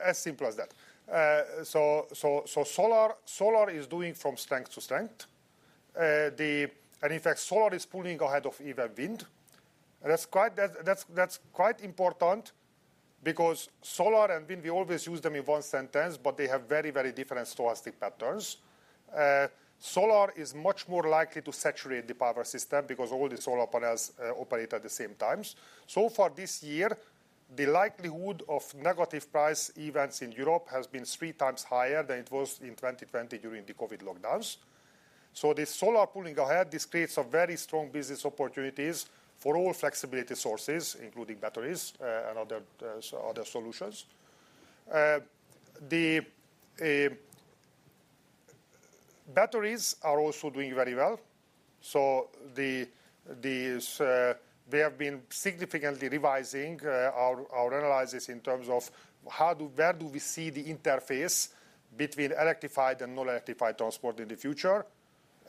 Speaker 4: as simple as that. So solar is doing from strength to strength. And in fact, solar is pulling ahead of even wind. And that's quite important because solar and wind, we always use them in one sentence, but they have very, very different stochastic patterns. Solar is much more likely to saturate the power system because all the solar panels operate at the same times. So far this year, the likelihood of negative price events in Europe has been three times higher than it was in 2020 during the COVID lockdowns. So this solar pulling ahead, this creates very strong business opportunities for all flexibility sources, including batteries and other solutions. The batteries are also doing very well. So we have been significantly revising our analysis in terms of where do we see the interface between electrified and non-electrified transport in the future.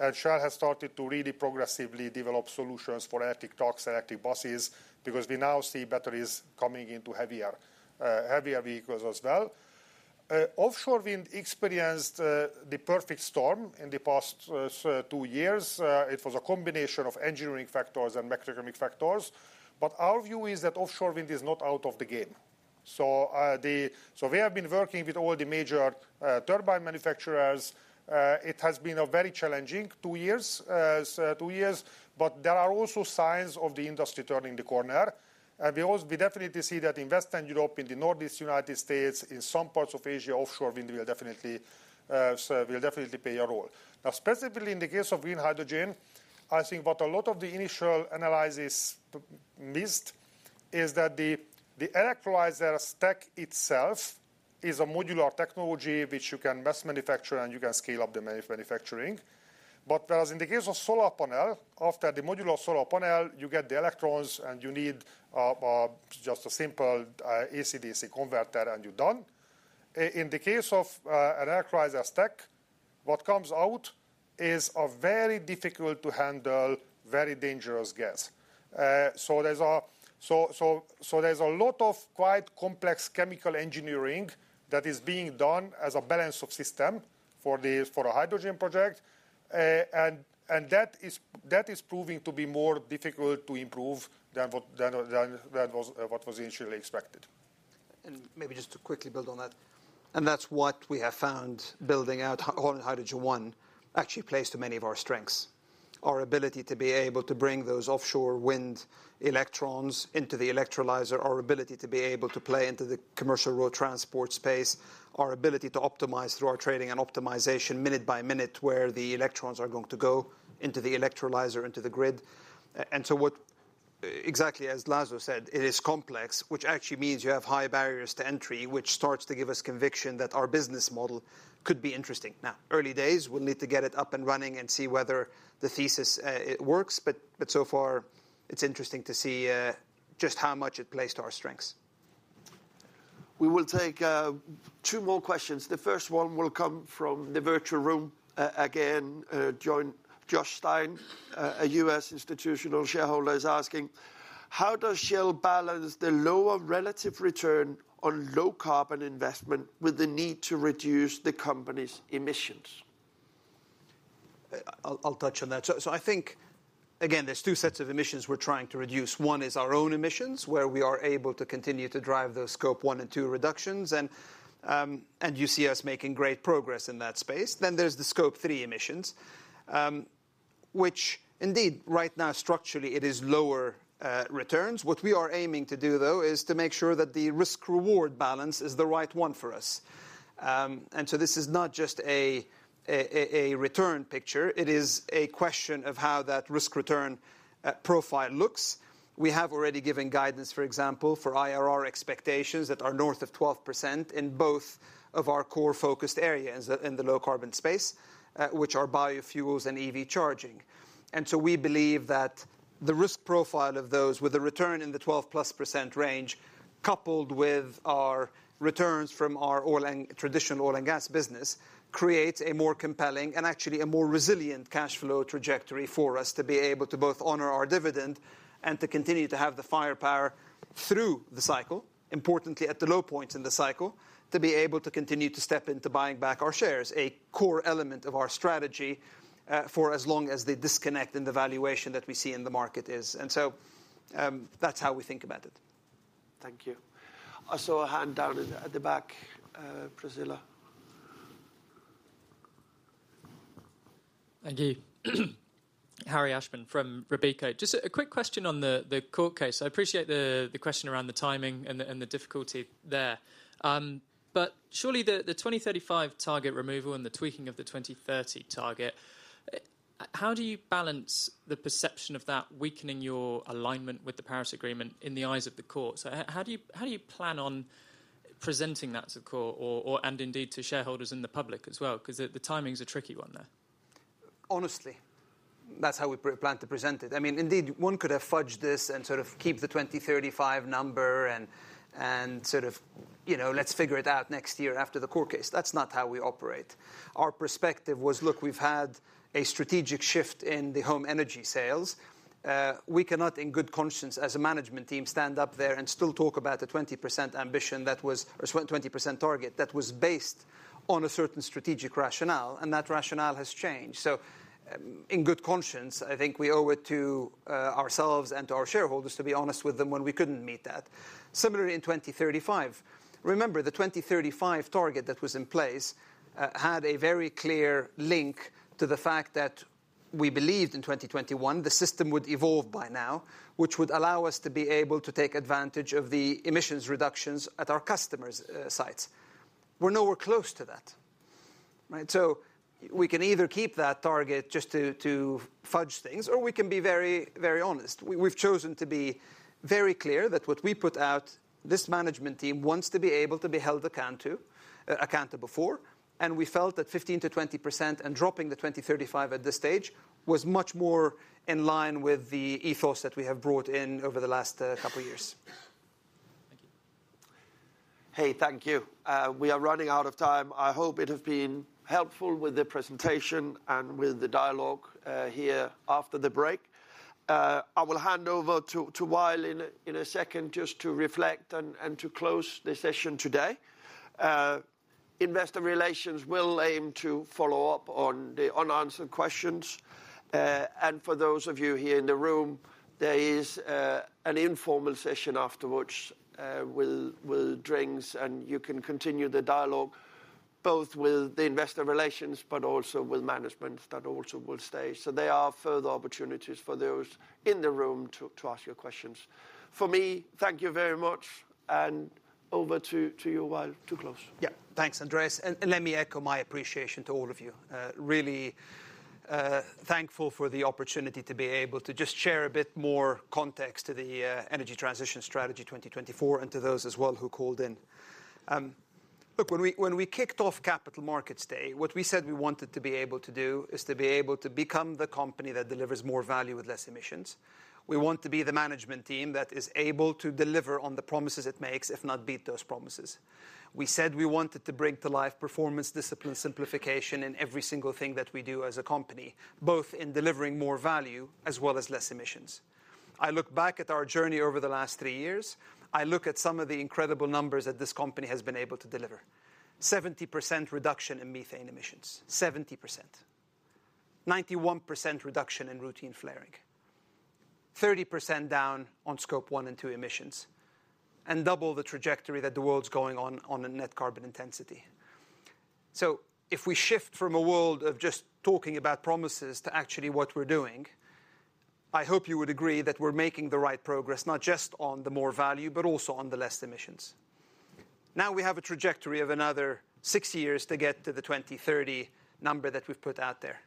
Speaker 4: And Shell has started to really progressively develop solutions for electric trucks, electric buses because we now see batteries coming into heavier vehicles as well. Offshore wind experienced the perfect storm in the past 2 years. It was a combination of engineering factors and mechatronic factors. But our view is that offshore wind is not out of the game. So we have been working with all the major turbine manufacturers. It has been a very challenging two years. But there are also signs of the industry turning the corner. And we definitely see that in Western Europe, in the Northeast United States, in some parts of Asia, offshore wind will definitely play a role. Now, specifically in the case of green hydrogen, I think what a lot of the initial analysis missed is that the electrolyzer stack itself is a modular technology which you can mass manufacture and you can scale up the manufacturing. But whereas in the case of solar panel, after the modular solar panel, you get the electrons and you need just a simple AC/DC converter and you're done. In the case of an electrolyzer stack, what comes out is a very difficult-to-handle, very dangerous gas. So there's a lot of quite complex chemical engineering that is being done as a balance of system for a hydrogen project. And that is proving to be more difficult to improve than what was initially expected.
Speaker 2: And maybe just to quickly build on that. And that's what we have found building out Holland Hydrogen One actually plays to many of our strengths, our ability to be able to bring those offshore wind electrons into the electrolyzer, our ability to be able to play into the commercial road transport space, our ability to optimize through our trading and optimization minute by minute where the electrons are going to go into the electrolyzer, into the grid. And so exactly as Laszlo said, it is complex, which actually means you have high barriers to entry, which starts to give us conviction that our business model could be interesting. Now, early days, we'll need to get it up and running and see whether the thesis works. But so far, it's interesting to see just how much it plays to our strengths.
Speaker 1: We will take two more questions. The first one will come from the virtual room again. Josh Stein, a U.S. institutional shareholder, is asking, how does Shell balance the lower relative return on low-carbon investment with the need to reduce the company's emissions?
Speaker 2: I'll touch on that. So I think, again, there's two sets of emissions we're trying to reduce. One is our own emissions, where we are able to continue to drive those Scope 1 and 2 reductions. And you see us making great progress in that space. Then there's the Scope 3 emissions, which indeed, right now, structurally, it is lower returns. What we are aiming to do, though, is to make sure that the risk-reward balance is the right one for us. And so this is not just a return picture. It is a question of how that risk-return profile looks. We have already given guidance, for example, for IRR expectations that are north of 12% in both of our core-focused areas in the low-carbon space, which are biofuels and EV charging. And so we believe that the risk profile of those with a return in the 12%+ range, coupled with our returns from our traditional oil and gas business, creates a more compelling and actually a more resilient cash flow trajectory for us to be able to both honor our dividend and to continue to have the firepower through the cycle, importantly at the low points in the cycle, to be able to continue to step into buying back our shares, a core element of our strategy for as long as the disconnect in the valuation that we see in the market is. And so that's how we think about it.
Speaker 1: Thank you. Also a hand down at the back, Priscilla.
Speaker 11: Thank you. Harry Ashman from Redburn. Just a quick question on the court case. I appreciate the question around the timing and the difficulty there. But surely the 2035 target removal and the tweaking of the 2030 target, how do you balance the perception of that weakening your alignment with the Paris Agreement in the eyes of the court? So how do you plan on presenting that to the court and indeed to shareholders and the public as well? Because the timing's a tricky one there.
Speaker 2: Honestly, that's how we plan to present it. I mean, indeed, one could have fudged this and sort of keep the 2035 number and sort of let's figure it out next year after the court case. That's not how we operate. Our perspective was, look, we've had a strategic shift in the home energy sales. We cannot, in good conscience, as a management team, stand up there and still talk about a 20% ambition or 20% target that was based on a certain strategic rationale. That rationale has changed. So in good conscience, I think we owe it to ourselves and to our shareholders to be honest with them when we couldn't meet that. Similarly, in 2035, remember, the 2035 target that was in place had a very clear link to the fact that we believed in 2021 the system would evolve by now, which would allow us to be able to take advantage of the emissions reductions at our customers' sites. We're nowhere close to that. So we can either keep that target just to fudge things, or we can be very, very honest. We've chosen to be very clear that what we put out, this management team wants to be able to be held accountable for. We felt that 15%-20% and dropping the 2035 at this stage was much more in line with the ethos that we have brought in over the last couple of years.
Speaker 1: Thank you. Hey, thank you. We are running out of time. I hope it has been helpful with the presentation and with the dialogue here after the break. I will hand over to Wael in a second just to reflect and to close the session today. Investor relations will aim to follow up on the unanswered questions. For those of you here in the room, there is an informal session after which we'll drinks. You can continue the dialogue both with the investor relations but also with management that also will stay. There are further opportunities for those in the room to ask your questions. For me, thank you very much. And over to you, Wael, to close.
Speaker 2: Yeah. Thanks, Andreas. And let me echo my appreciation to all of you. Really thankful for the opportunity to be able to just share a bit more context to the Energy Transition Strategy 2024 and to those as well who called in. Look, when we kicked off Capital Markets Day, what we said we wanted to be able to do is to be able to become the company that delivers more value with less emissions. We want to be the management team that is able to deliver on the promises it makes, if not beat those promises. We said we wanted to bring to life performance, discipline, simplification in every single thing that we do as a company, both in delivering more value as well as less emissions. I look back at our journey over the last three years. I look at some of the incredible numbers that this company has been able to deliver: 70% reduction in methane emissions, 70%, 91% reduction in routine flaring, 30% down on Scope 1 and 2 emissions, and double the trajectory that the world's going on in net carbon intensity. So if we shift from a world of just talking about promises to actually what we're doing, I hope you would agree that we're making the right progress, not just on the more value but also on the less emissions. Now we have a trajectory of another six years to get to the 2030 number that we've put out there.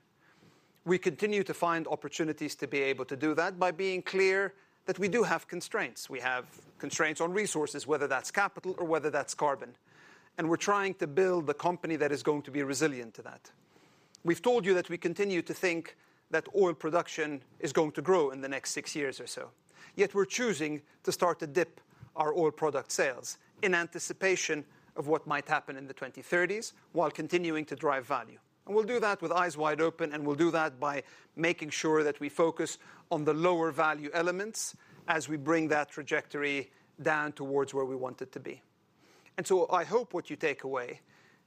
Speaker 2: We continue to find opportunities to be able to do that by being clear that we do have constraints. We have constraints on resources, whether that's capital or whether that's carbon. We're trying to build the company that is going to be resilient to that. We've told you that we continue to think that oil production is going to grow in the next six years or so. Yet we're choosing to start to dip our oil product sales in anticipation of what might happen in the 2030s while continuing to drive value. We'll do that with eyes wide open. We'll do that by making sure that we focus on the lower value elements as we bring that trajectory down towards where we want it to be. So I hope what you take away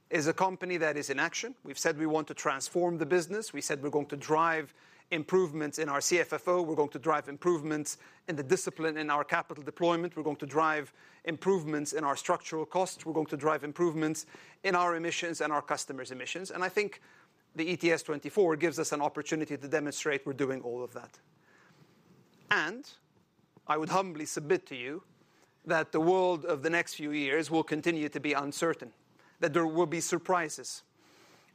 Speaker 2: is a company that is in action. We've said we want to transform the business. We said we're going to drive improvements in our CFFO. We're going to drive improvements in the discipline in our capital deployment. We're going to drive improvements in our structural costs. We're going to drive improvements in our emissions and our customers' emissions. I think the ETS24 gives us an opportunity to demonstrate we're doing all of that. I would humbly submit to you that the world of the next few years will continue to be uncertain, that there will be surprises.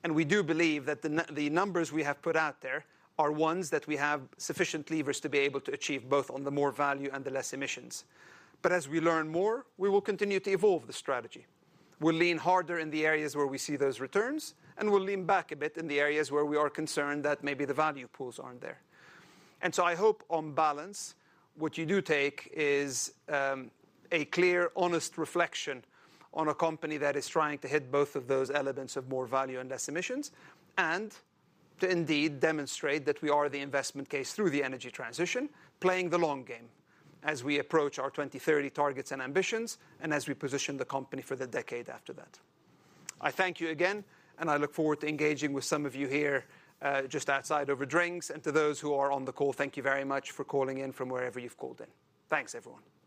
Speaker 2: We do believe that the numbers we have put out there are ones that we have sufficient levers to be able to achieve both on the more value and the less emissions. But as we learn more, we will continue to evolve the strategy. We'll lean harder in the areas where we see those returns. We'll lean back a bit in the areas where we are concerned that maybe the value pools aren't there. And so I hope, on balance, what you do take is a clear, honest reflection on a company that is trying to hit both of those elements of more value and less emissions and to indeed demonstrate that we are the investment case through the energy transition, playing the long game as we approach our 2030 targets and ambitions and as we position the company for the decade after that. I thank you again. And I look forward to engaging with some of you here just outside over drinks. And to those who are on the call, thank you very much for calling in from wherever you've called in. Thanks, everyone.